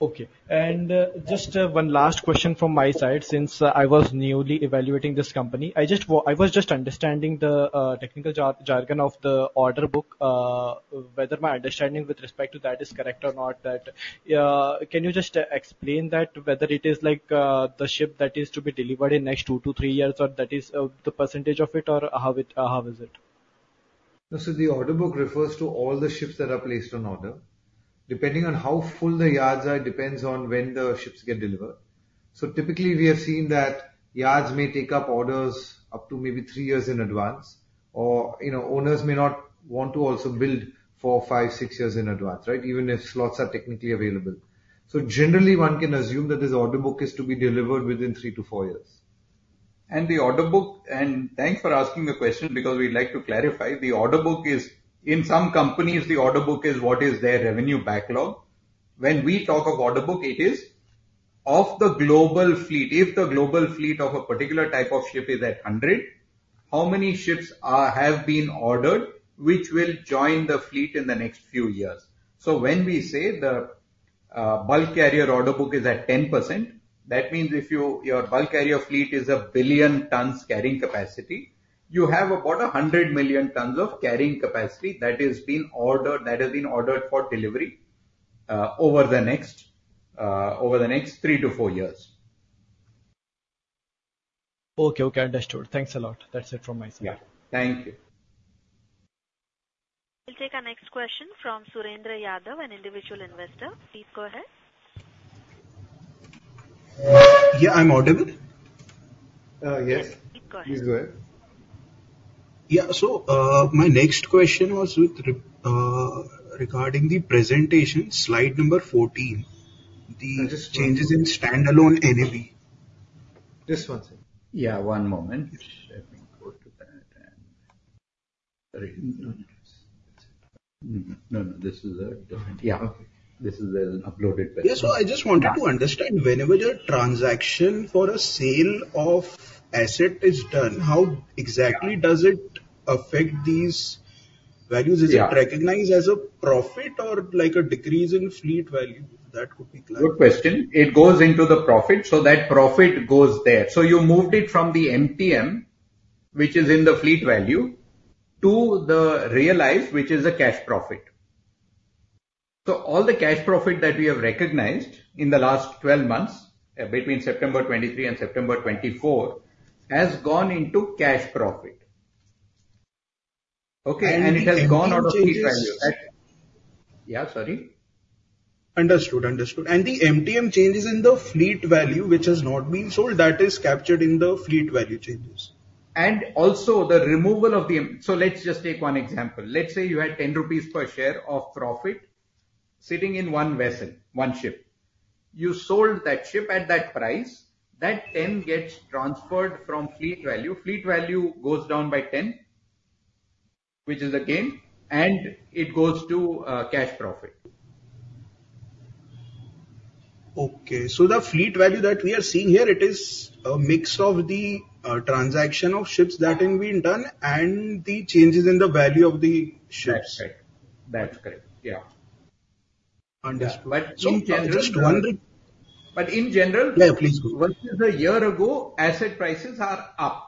Okay. And just one last question from my side. Since I was newly evaluating this company, I was just understanding the technical jargon of the order book, whether my understanding with respect to that is correct or not. Can you just explain that, whether it is the ship that is to be delivered in next two to three years, or that is the percentage of it, or how is it? The order book refers to all the ships that are placed on order. Depending on how full the yards are, it depends on when the ships get delivered. Typically, we have seen that yards may take up orders up to maybe three years in advance, or owners may not want to also build four, five, six years in advance, right, even if slots are technically available. Generally, one can assume that this order book is to be delivered within three to four years. Thanks for asking the question because we'd like to clarify. In some companies, the order book is what is their revenue backlog. When we talk of order book, it is of the global fleet. If the global fleet of a particular type of ship is at 100, how many ships have been ordered which will join the fleet in the next few years? So when we say the bulk carrier order book is at 10%, that means if your bulk carrier fleet is a billion tons carrying capacity, you have about 100 million tons of carrying capacity that has been ordered for delivery over the next three to four years. Okay. Okay. Understood. Thanks a lot. That's it from my side. Yeah. Thank you. We'll take our next question from Surendra Yadav, an individual investor. Please go ahead. Yeah. I'm audible? Yes. Yes. Please go ahead. Please go ahead. Yeah. So my next question was regarding the presentation, slide number 14, the changes in standalone NAV. This one, sir. Yeah. One moment. Let me go to that. No, no. This is a different. Yeah. This is an uploaded version. Yes. So I just wanted to understand whenever the transaction for a sale of asset is done, how exactly does it affect these values? Is it recognized as a profit or a decrease in fleet value? That could be clear. Good question. It goes into the profit. So that profit goes there. So you moved it from the MTM, which is in the fleet value, to the real life, which is the cash profit. So all the cash profit that we have recognized in the last 12 months, between September 2023 and September 2024, has gone into cash profit. Okay. And it has gone out of fleet value. Yeah. Sorry. Understood. Understood. And the MTM changes in the fleet value, which has not been sold, that is captured in the fleet value changes. And also, the removal of the so let's just take one example. Let's say you had 10 rupees per share of profit sitting in one vessel, one ship. You sold that ship at that price. That 10 gets transferred from fleet value. Fleet value goes down by 10, which is the gain, and it goes to cash profit. Okay. So the fleet value that we are seeing here, it is a mix of the transaction of ships that have been done and the changes in the value of the ships. That's correct. That's correct. Yeah. Understood. But in general. But in general. Yeah. Please go ahead. Versus a year ago, asset prices are up.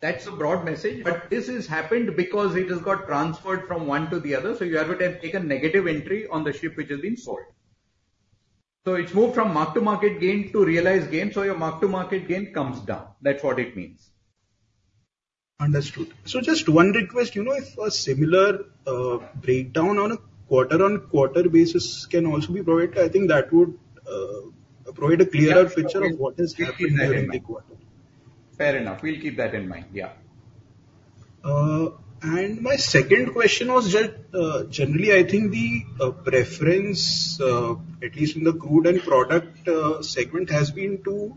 That's a broad message. But this has happened because it has got transferred from one to the other. So you have to take a negative entry on the ship which has been sold. So it's moved from mark-to-market gain to realized gain. So your mark-to-market gain comes down. That's what it means. Understood. So just one request. If a similar breakdown on a quarter-on-quarter basis can also be provided, I think that would provide a clearer picture of what is happening during the quarter. Fair enough. We'll keep that in mind. Yeah. And my second question was just generally, I think the preference, at least in the crude and product segment, has been to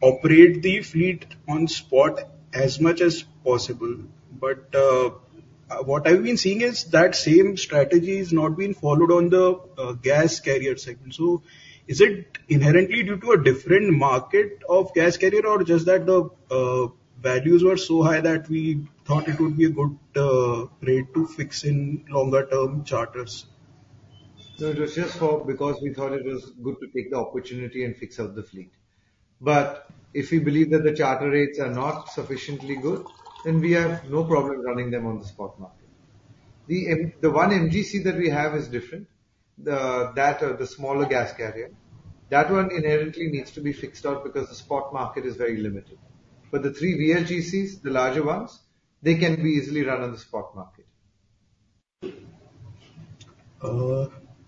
operate the fleet on spot as much as possible. But what I've been seeing is that same strategy is not being followed on the gas carrier segment. So is it inherently due to a different market of gas carrier, or just that the values were so high that we thought it would be a good rate to fix in longer-term charters? No, it was just because we thought it was good to take the opportunity and fix up the fleet. But if we believe that the charter rates are not sufficiently good, then we have no problem running them on the spot market. The one MGC that we have is different, the smaller gas carrier. That one inherently needs to be fixed out because the spot market is very limited. But the three VLGCs, the larger ones, they can be easily run on the spot market.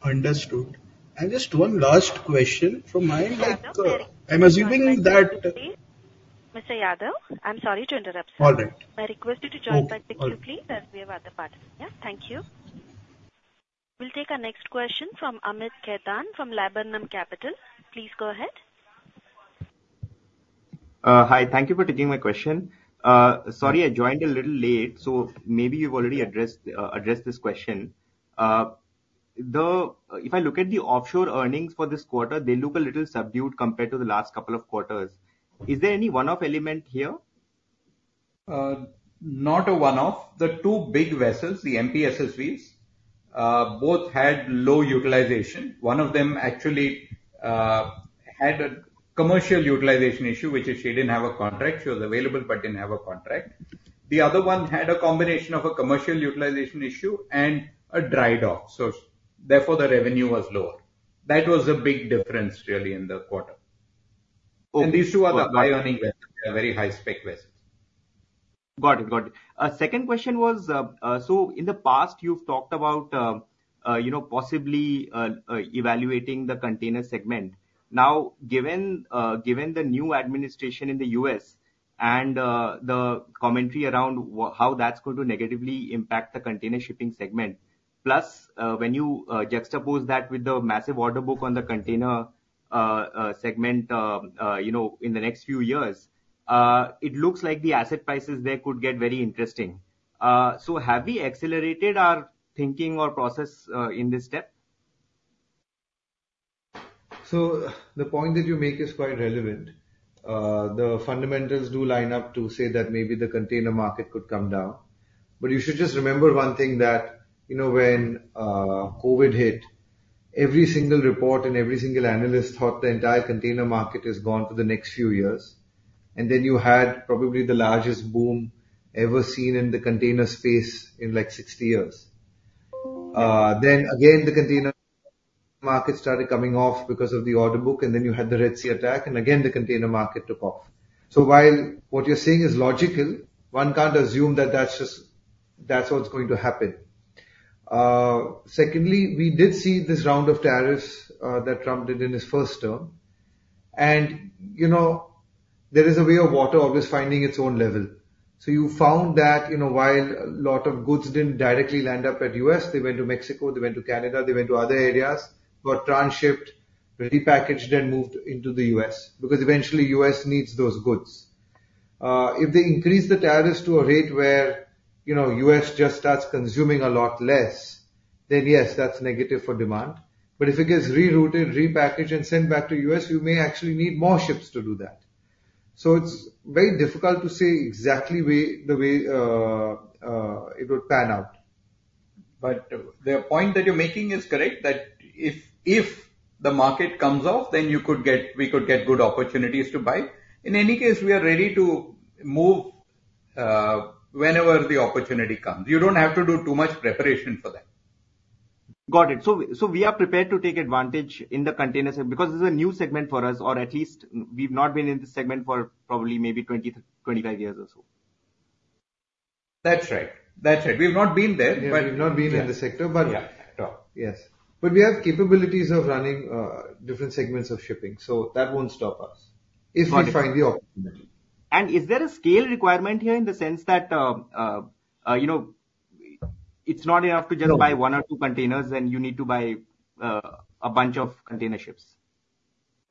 Understood. And just one last question from my end. I'm assuming that. Mr. Yadav, I'm sorry to interrupt sir. All right. My request is to join back the queue, please, and we have other participants. Yeah. Thank you. We'll take our next question from Amit Khetan from Laburnum Capital. Please go ahead. Hi. Thank you for taking my question. Sorry, I joined a little late, so maybe you've already addressed this question. If I look at the offshore earnings for this quarter, they look a little subdued compared to the last couple of quarters. Is there any one-off element here? Not a one-off. The two big vessels, the MPSSVs, both had low utilization. One of them actually had a commercial utilization issue, which is she didn't have a contract. She was available but didn't have a contract. The other one had a combination of a commercial utilization issue and a dry dock. So therefore, the revenue was lower. That was the big difference, really, in the quarter. And these two are the high-earning vessels. They are very high-spec vessels. Got it. Got it. Second question was, so in the past, you've talked about possibly evaluating the container segment. Now, given the new administration in the U.S. and the commentary around how that's going to negatively impact the container shipping segment, plus when you juxtapose that with the massive order book on the container segment in the next few years, it looks like the asset prices there could get very interesting. So have we accelerated our thinking or process in this step? So the point that you make is quite relevant. The fundamentals do line up to say that maybe the container market could come down. But you should just remember one thing that when COVID hit, every single report and every single analyst thought the entire container market has gone for the next few years. And then you had probably the largest boom ever seen in the container space in like 60 years. Then again, the container market started coming off because of the order book, and then you had the Red Sea attack, and again, the container market took off. So while what you're saying is logical, one can't assume that that's what's going to happen. Secondly, we did see this round of tariffs that Trump did in his first term. And there is a way of water always finding its own level. So you found that while a lot of goods didn't directly land up at U.S., they went to Mexico, they went to Canada, they went to other areas, got transshipped, repackaged, and moved into the U.S. because eventually, U.S. needs those goods. If they increase the tariffs to a rate where U.S. just starts consuming a lot less, then yes, that's negative for demand. But if it gets rerouted, repackaged, and sent back to U.S., you may actually need more ships to do that. So it's very difficult to say exactly the way it would pan out. But the point that you're making is correct, that if the market comes off, then we could get good opportunities to buy. In any case, we are ready to move whenever the opportunity comes. You don't have to do too much preparation for that. Got it. So we are prepared to take advantage in the container segment because it's a new segment for us, or at least we've not been in this segment for probably maybe 20-25 years or so. That's right. That's right. We've not been there, but. We've not been in the sector, but yes. But we have capabilities of running different segments of shipping, so that won't stop us if we find the opportunity. And is there a scale requirement here in the sense that it's not enough to just buy one or two containers, then you need to buy a bunch of container ships?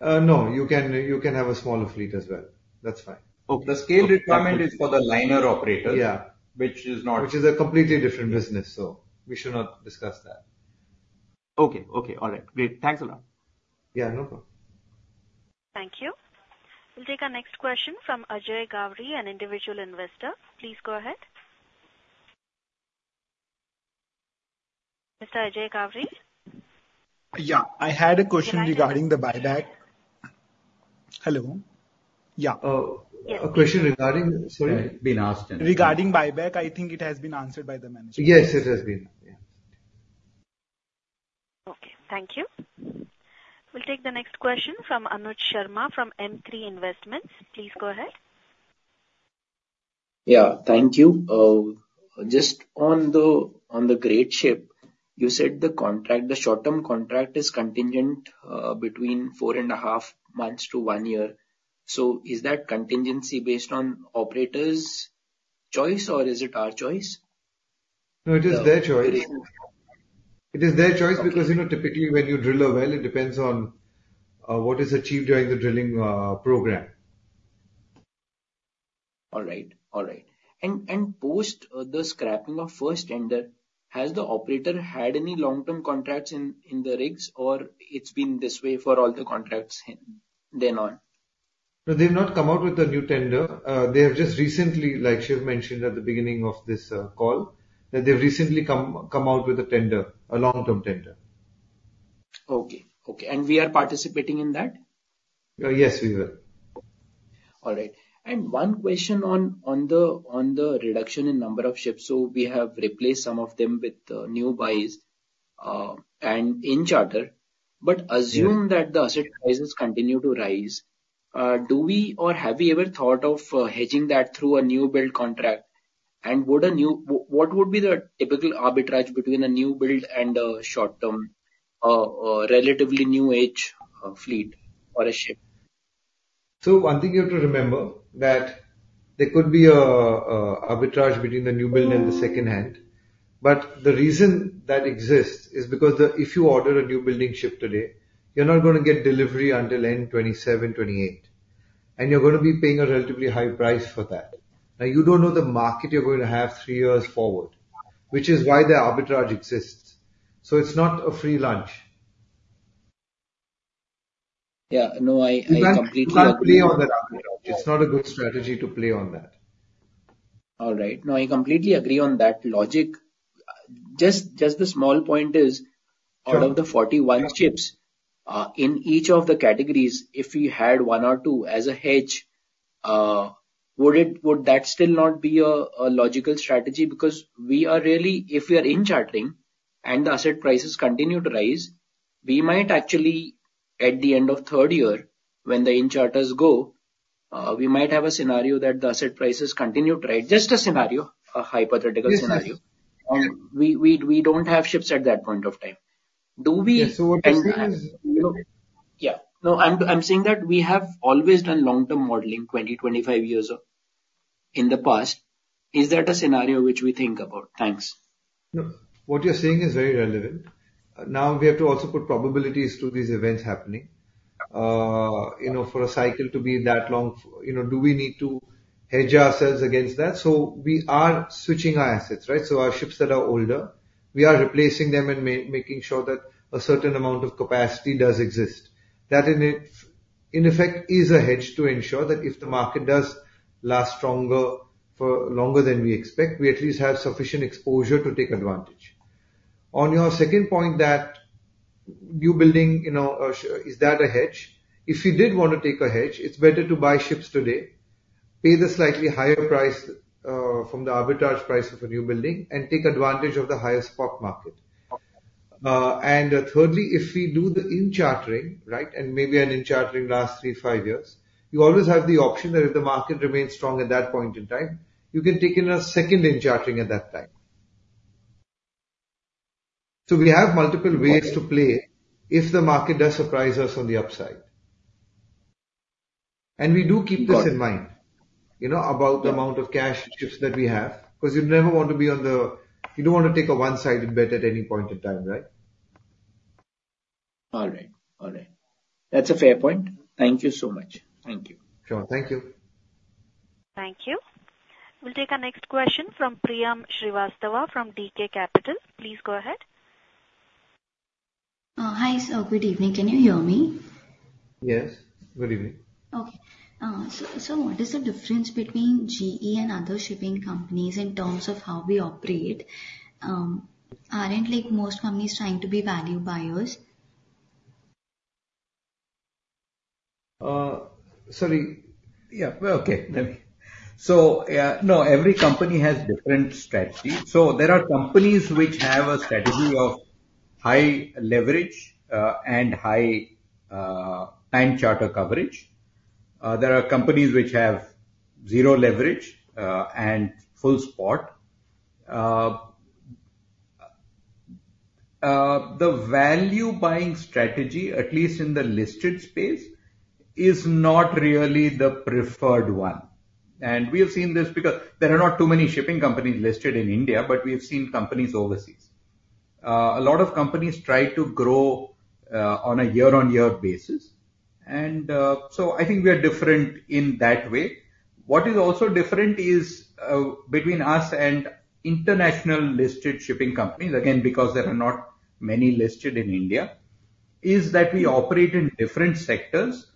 No. You can have a smaller fleet as well. That's fine. Okay. The scale requirement is for the liner operators, which is not. Which is a completely different business, so we should not discuss that. Okay. Okay. All right. Great. Thanks a lot. Yeah. No problem. Thank you. We'll take our next question from Ajay Gowrie, an individual investor. Please go ahead. Mr. Ajay Gowrie. Yeah. I had a question regarding the buyback. Hello. Yeah. Oh, yes. A question regarding, sorry? It's been asked and. Regarding buyback, I think it has been answered by the manager. Yes. It has been. Yeah. Okay. Thank you. We'll take the next question from Anuj Sharma from M3 Investments. Please go ahead. Yeah. Thank you. Just on the Greatship, you said the short-term contract is contingent between four and a half months to one year. So is that contingency based on operators' choice, or is it our choice? No, it is their choice. It is their choice because typically, when you drill a well, it depends on what is achieved during the drilling program. All right. All right. Post the scrapping of first tender, has the operator had any long-term contracts in the rigs, or it's been this way for all the contracts then on? No, they've not come out with a new tender. They have just recently, like she mentioned at the beginning of this call, that they've recently come out with a tender, a long-term tender. Okay. Okay. And we are participating in that? Yes, we will. All right. And one question on the reduction in number of ships. So we have replaced some of them with new buys and in charter. But assume that the asset prices continue to rise, do we or have we ever thought of hedging that through a new build contract? And what would be the typical arbitrage between a new build and a short-term, relatively new-age fleet or a ship? So one thing you have to remember that there could be an arbitrage between the new build and the secondhand. But the reason that exists is because if you order a new building ship today, you're not going to get delivery until end 2027, 2028. And you're going to be paying a relatively high price for that. Now, you don't know the market you're going to have three years forward, which is why the arbitrage exists. So it's not a free lunch. Yeah. No, I completely agree. You can't play on that arbitrage. It's not a good strategy to play on that. All right. No, I completely agree on that logic. Just the small point is, out of the 41 ships, in each of the categories, if we had one or two as a hedge, would that still not be a logical strategy? Because we are really, if we are in chartering and the asset prices continue to rise, we might actually, at the end of third year, when the in charters go, we might have a scenario that the asset prices continue to rise. Just a scenario, a hypothetical scenario, and we don't have ships at that point of time. Do we? Yes, so what you're saying is, yeah. Yeah. No, I'm saying that we have always done long-term modeling 20, 25 years in the past. Is that a scenario which we think about? Thanks. No. What you're saying is very relevant. Now, we have to also put probabilities to these events happening. For a cycle to be that long, do we need to hedge ourselves against that? So we are switching our assets, right? So our ships that are older, we are replacing them and making sure that a certain amount of capacity does exist. That, in effect, is a hedge to ensure that if the market does last longer than we expect, we at least have sufficient exposure to take advantage. On your second point, that new building, is that a hedge? If you did want to take a hedge, it's better to buy ships today, pay the slightly higher price from the arbitrage price of a new building, and take advantage of the higher spot market. Thirdly, if we do the in chartering, right, and maybe an in chartering lasts three, five years, you always have the option that if the market remains strong at that point in time, you can take in a second in chartering at that time. So we have multiple ways to play if the market does surprise us on the upside. We do keep this in mind about the amount of cash ships that we have because you never want to be on the you don't want to take a one-sided bet at any point in time, right? All right. All right. That's a fair point. Thank you so much. Thank you. Sure. Thank you. Thank you. We'll take our next question from Priyam Srivastava from DK Capital. Please go ahead. Hi. So good evening. Can you hear me? Yes. Good evening. Okay, so what is the difference between GE and other shipping companies in terms of how we operate? Aren't most companies trying to be value buyers? No, every company has different strategies. So there are companies which have a strategy of high leverage and high time charter coverage. There are companies which have zero leverage and full spot. The value buying strategy, at least in the listed space, is not really the preferred one, and we have seen this because there are not too many shipping companies listed in India, but we have seen companies overseas. A lot of companies try to grow on a year-on-year basis, and so I think we are different in that way. What is also different between us and international listed shipping companies, again, because there are not many listed in India, is that we operate in different sectors,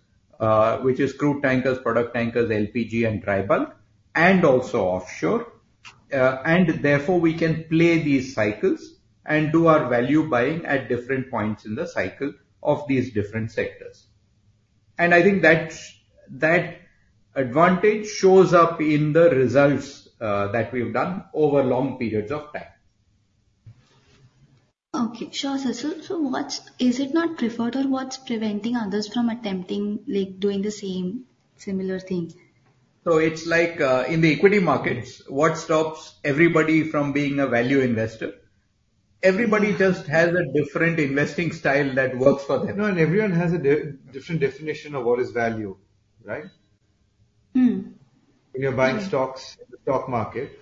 which is crude tankers, product tankers, LPG, and dry bulk, and also offshore. And therefore, we can play these cycles and do our value buying at different points in the cycle of these different sectors. And I think that advantage shows up in the results that we have done over long periods of time. Okay. Sure. So is it not preferred, or what's preventing others from attempting doing the same similar thing? So it's like in the equity markets, what stops everybody from being a value investor? Everybody just has a different investing style that works for them. No, and everyone has a different definition of what is value, right? When you're buying stocks in the stock market,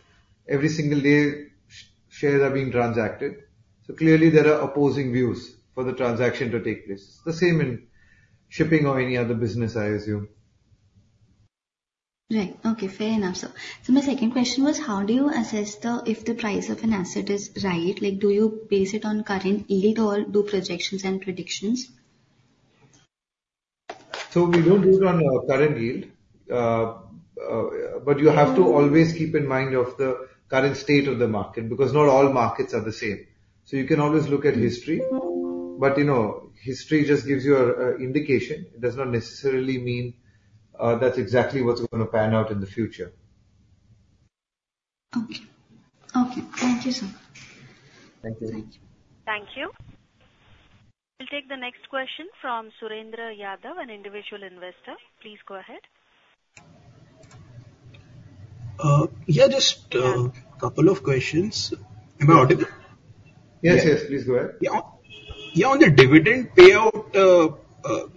every single day, shares are being transacted. So clearly, there are opposing views for the transaction to take place. It's the same in shipping or any other business, I assume. Right. Okay. Fair enough. So my second question was, how do you assess if the price of an asset is right? Do you base it on current yield or do projections and predictions? We don't do it on current yield. You have to always keep in mind the current state of the market because not all markets are the same. You can always look at history. History just gives you an indication. It does not necessarily mean that's exactly what's going to pan out in the future. Okay. Okay. Thank you so much. Thank you. Thank you. We'll take the next question from Surendra Yadav, an individual investor. Please go ahead. Yeah. Just a couple of questions. Yes. Yes. Please go ahead. Yeah. On the dividend payout,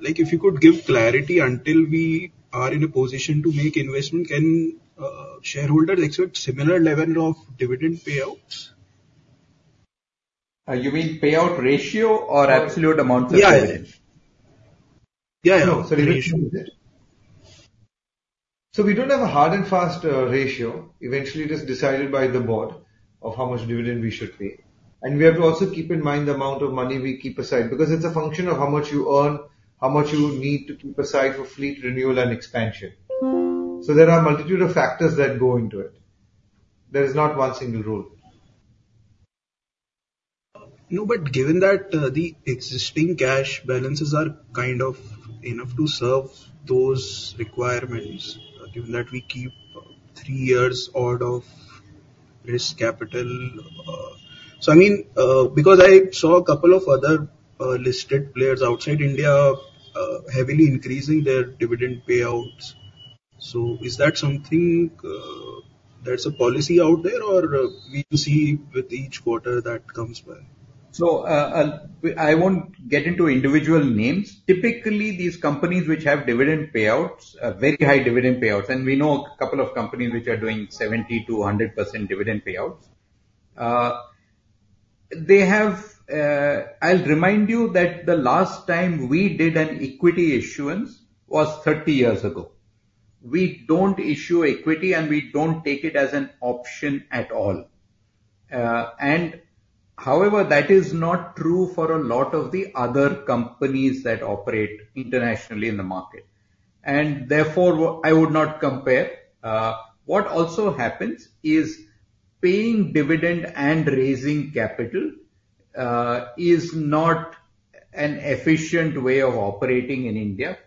if you could give clarity until we are in a position to make investment, can shareholders expect similar level of dividend payouts? You mean payout ratio or absolute amount of dividend? Yeah. Yeah. Yeah. So we don't have a hard and fast ratio. Eventually, it is decided by the board of how much dividend we should pay. And we have to also keep in mind the amount of money we keep aside because it's a function of how much you earn, how much you need to keep aside for fleet renewal and expansion. So there are a multitude of factors that go into it. There is not one single rule. No, but given that the existing cash balances are kind of enough to serve those requirements, given that we keep three years' odd of risk capital. So I mean, because I saw a couple of other listed players outside India heavily increasing their dividend payouts. So is that something that's a policy out there, or will you see with each quarter that comes by? So I won't get into individual names. Typically, these companies which have dividend payouts, very high dividend payouts, and we know a couple of companies which are doing 70%-100% dividend payouts, they have. I'll remind you that the last time we did an equity issuance was 30 years ago. We don't issue equity, and we don't take it as an option at all. And however, that is not true for a lot of the other companies that operate internationally in the market. And therefore, I would not compare. What also happens is paying dividend and raising capital is not an efficient way of operating in India.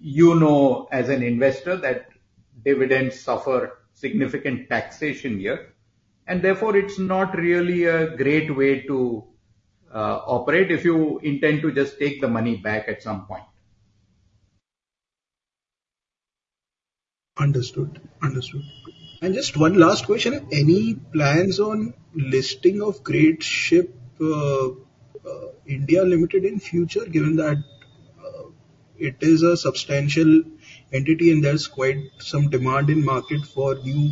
You know, as an investor, that dividends suffer significant taxation here. And therefore, it's not really a great way to operate if you intend to just take the money back at some point. Understood. Understood. And just one last question. Any plans on listing of Greatship (India) Limited in future, given that it is a substantial entity and there's quite some demand in market for new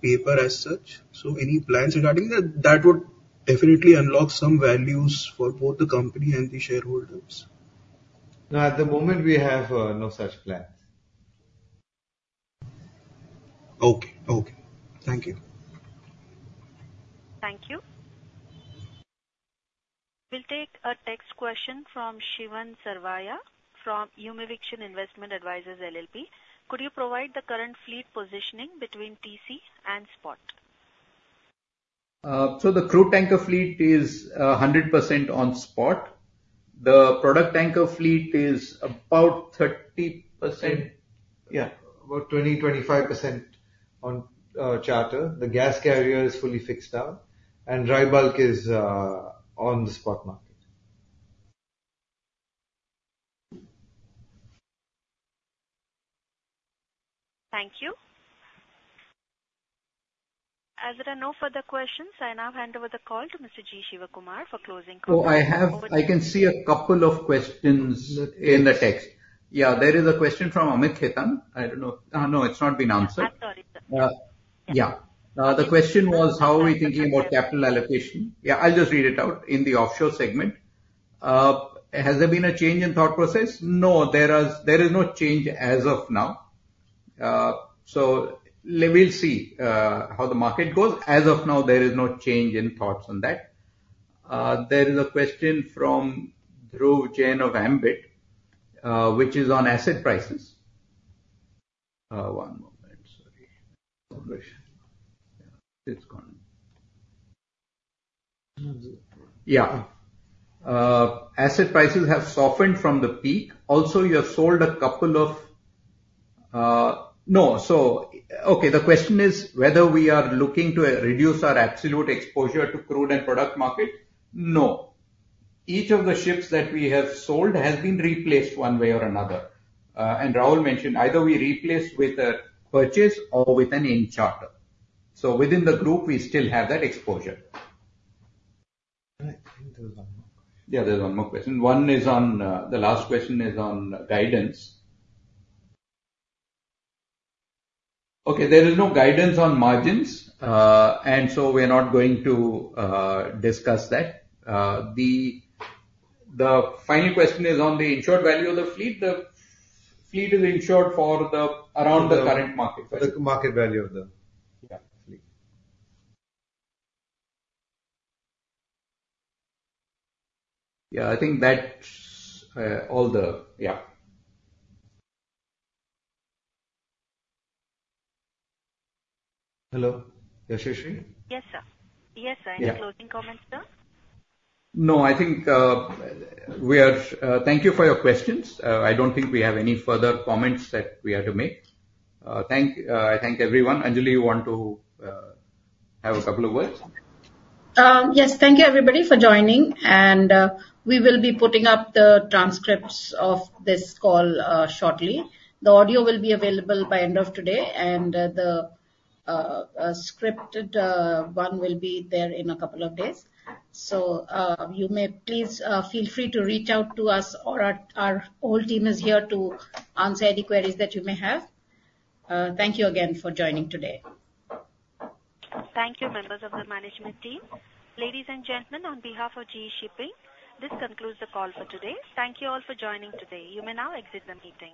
paper as such? So any plans regarding that? That would definitely unlock some values for both the company and the shareholders. No. At the moment, we have no such plans. Okay. Okay. Thank you. Thank you. We'll take a text question from Shivan Sarvaiya from Hrim Udgam Investment Advisors LLP. Could you provide the current fleet positioning between TC and spot? So the crude tanker fleet is 100% on spot. The product tanker fleet is about 30%. Yeah, about 20-25% on charter. The gas carrier is fully fixed out, and dry bulk is on the spot market. Thank you. As there are no further questions, I now hand over the call to Mr. G. Shivakumar for closing questions. Oh, I can see a couple of questions in the text. Yeah. There is a question from Amit Khetan. I don't know. No, it's not been answered. I'm sorry. Yeah. The question was, how are we thinking about capital allocation? Yeah. I'll just read it out in the offshore segment. Has there been a change in thought process? No. There is no change as of now. So we'll see how the market goes. As of now, there is no change in thoughts on that. There is a question from Dhruv Jain of Ambit, which is on asset prices. One moment. Sorry. It's gone. Yeah. Asset prices have softened from the peak. Also, you have sold a couple of no. So okay. The question is whether we are looking to reduce our absolute exposure to crude and product market? No. Each of the ships that we have sold has been replaced one way or another. And Rahul mentioned either we replace with a purchase or with an in charter. So within the group, we still have that exposure. Yeah. There's one more question. Yeah. There's one more question. The last question is on guidance. Okay. There is no guidance on margins, and so we're not going to discuss that. The final question is on the insured value of the fleet. The fleet is insured for around the current market value. The market value of the fleet. Yeah. I think that's all. Hello? Yashasri? Yes, sir. Yes, sir. Any closing comments, sir? No. I think we are. Thank you for your questions. I don't think we have any further comments that we have to make. I thank everyone. Anjali, you want to have a couple of words? Yes. Thank you, everybody, for joining, and we will be putting up the transcripts of this call shortly. The audio will be available by end of today, and the scripted one will be there in a couple of days, so you may please feel free to reach out to us, or our whole team is here to answer any queries that you may have. Thank you again for joining today. Thank you, members of the management team. Ladies and gentlemen, on behalf of GE Shipping, this concludes the call for today. Thank you all for joining today. You may now exit the meeting.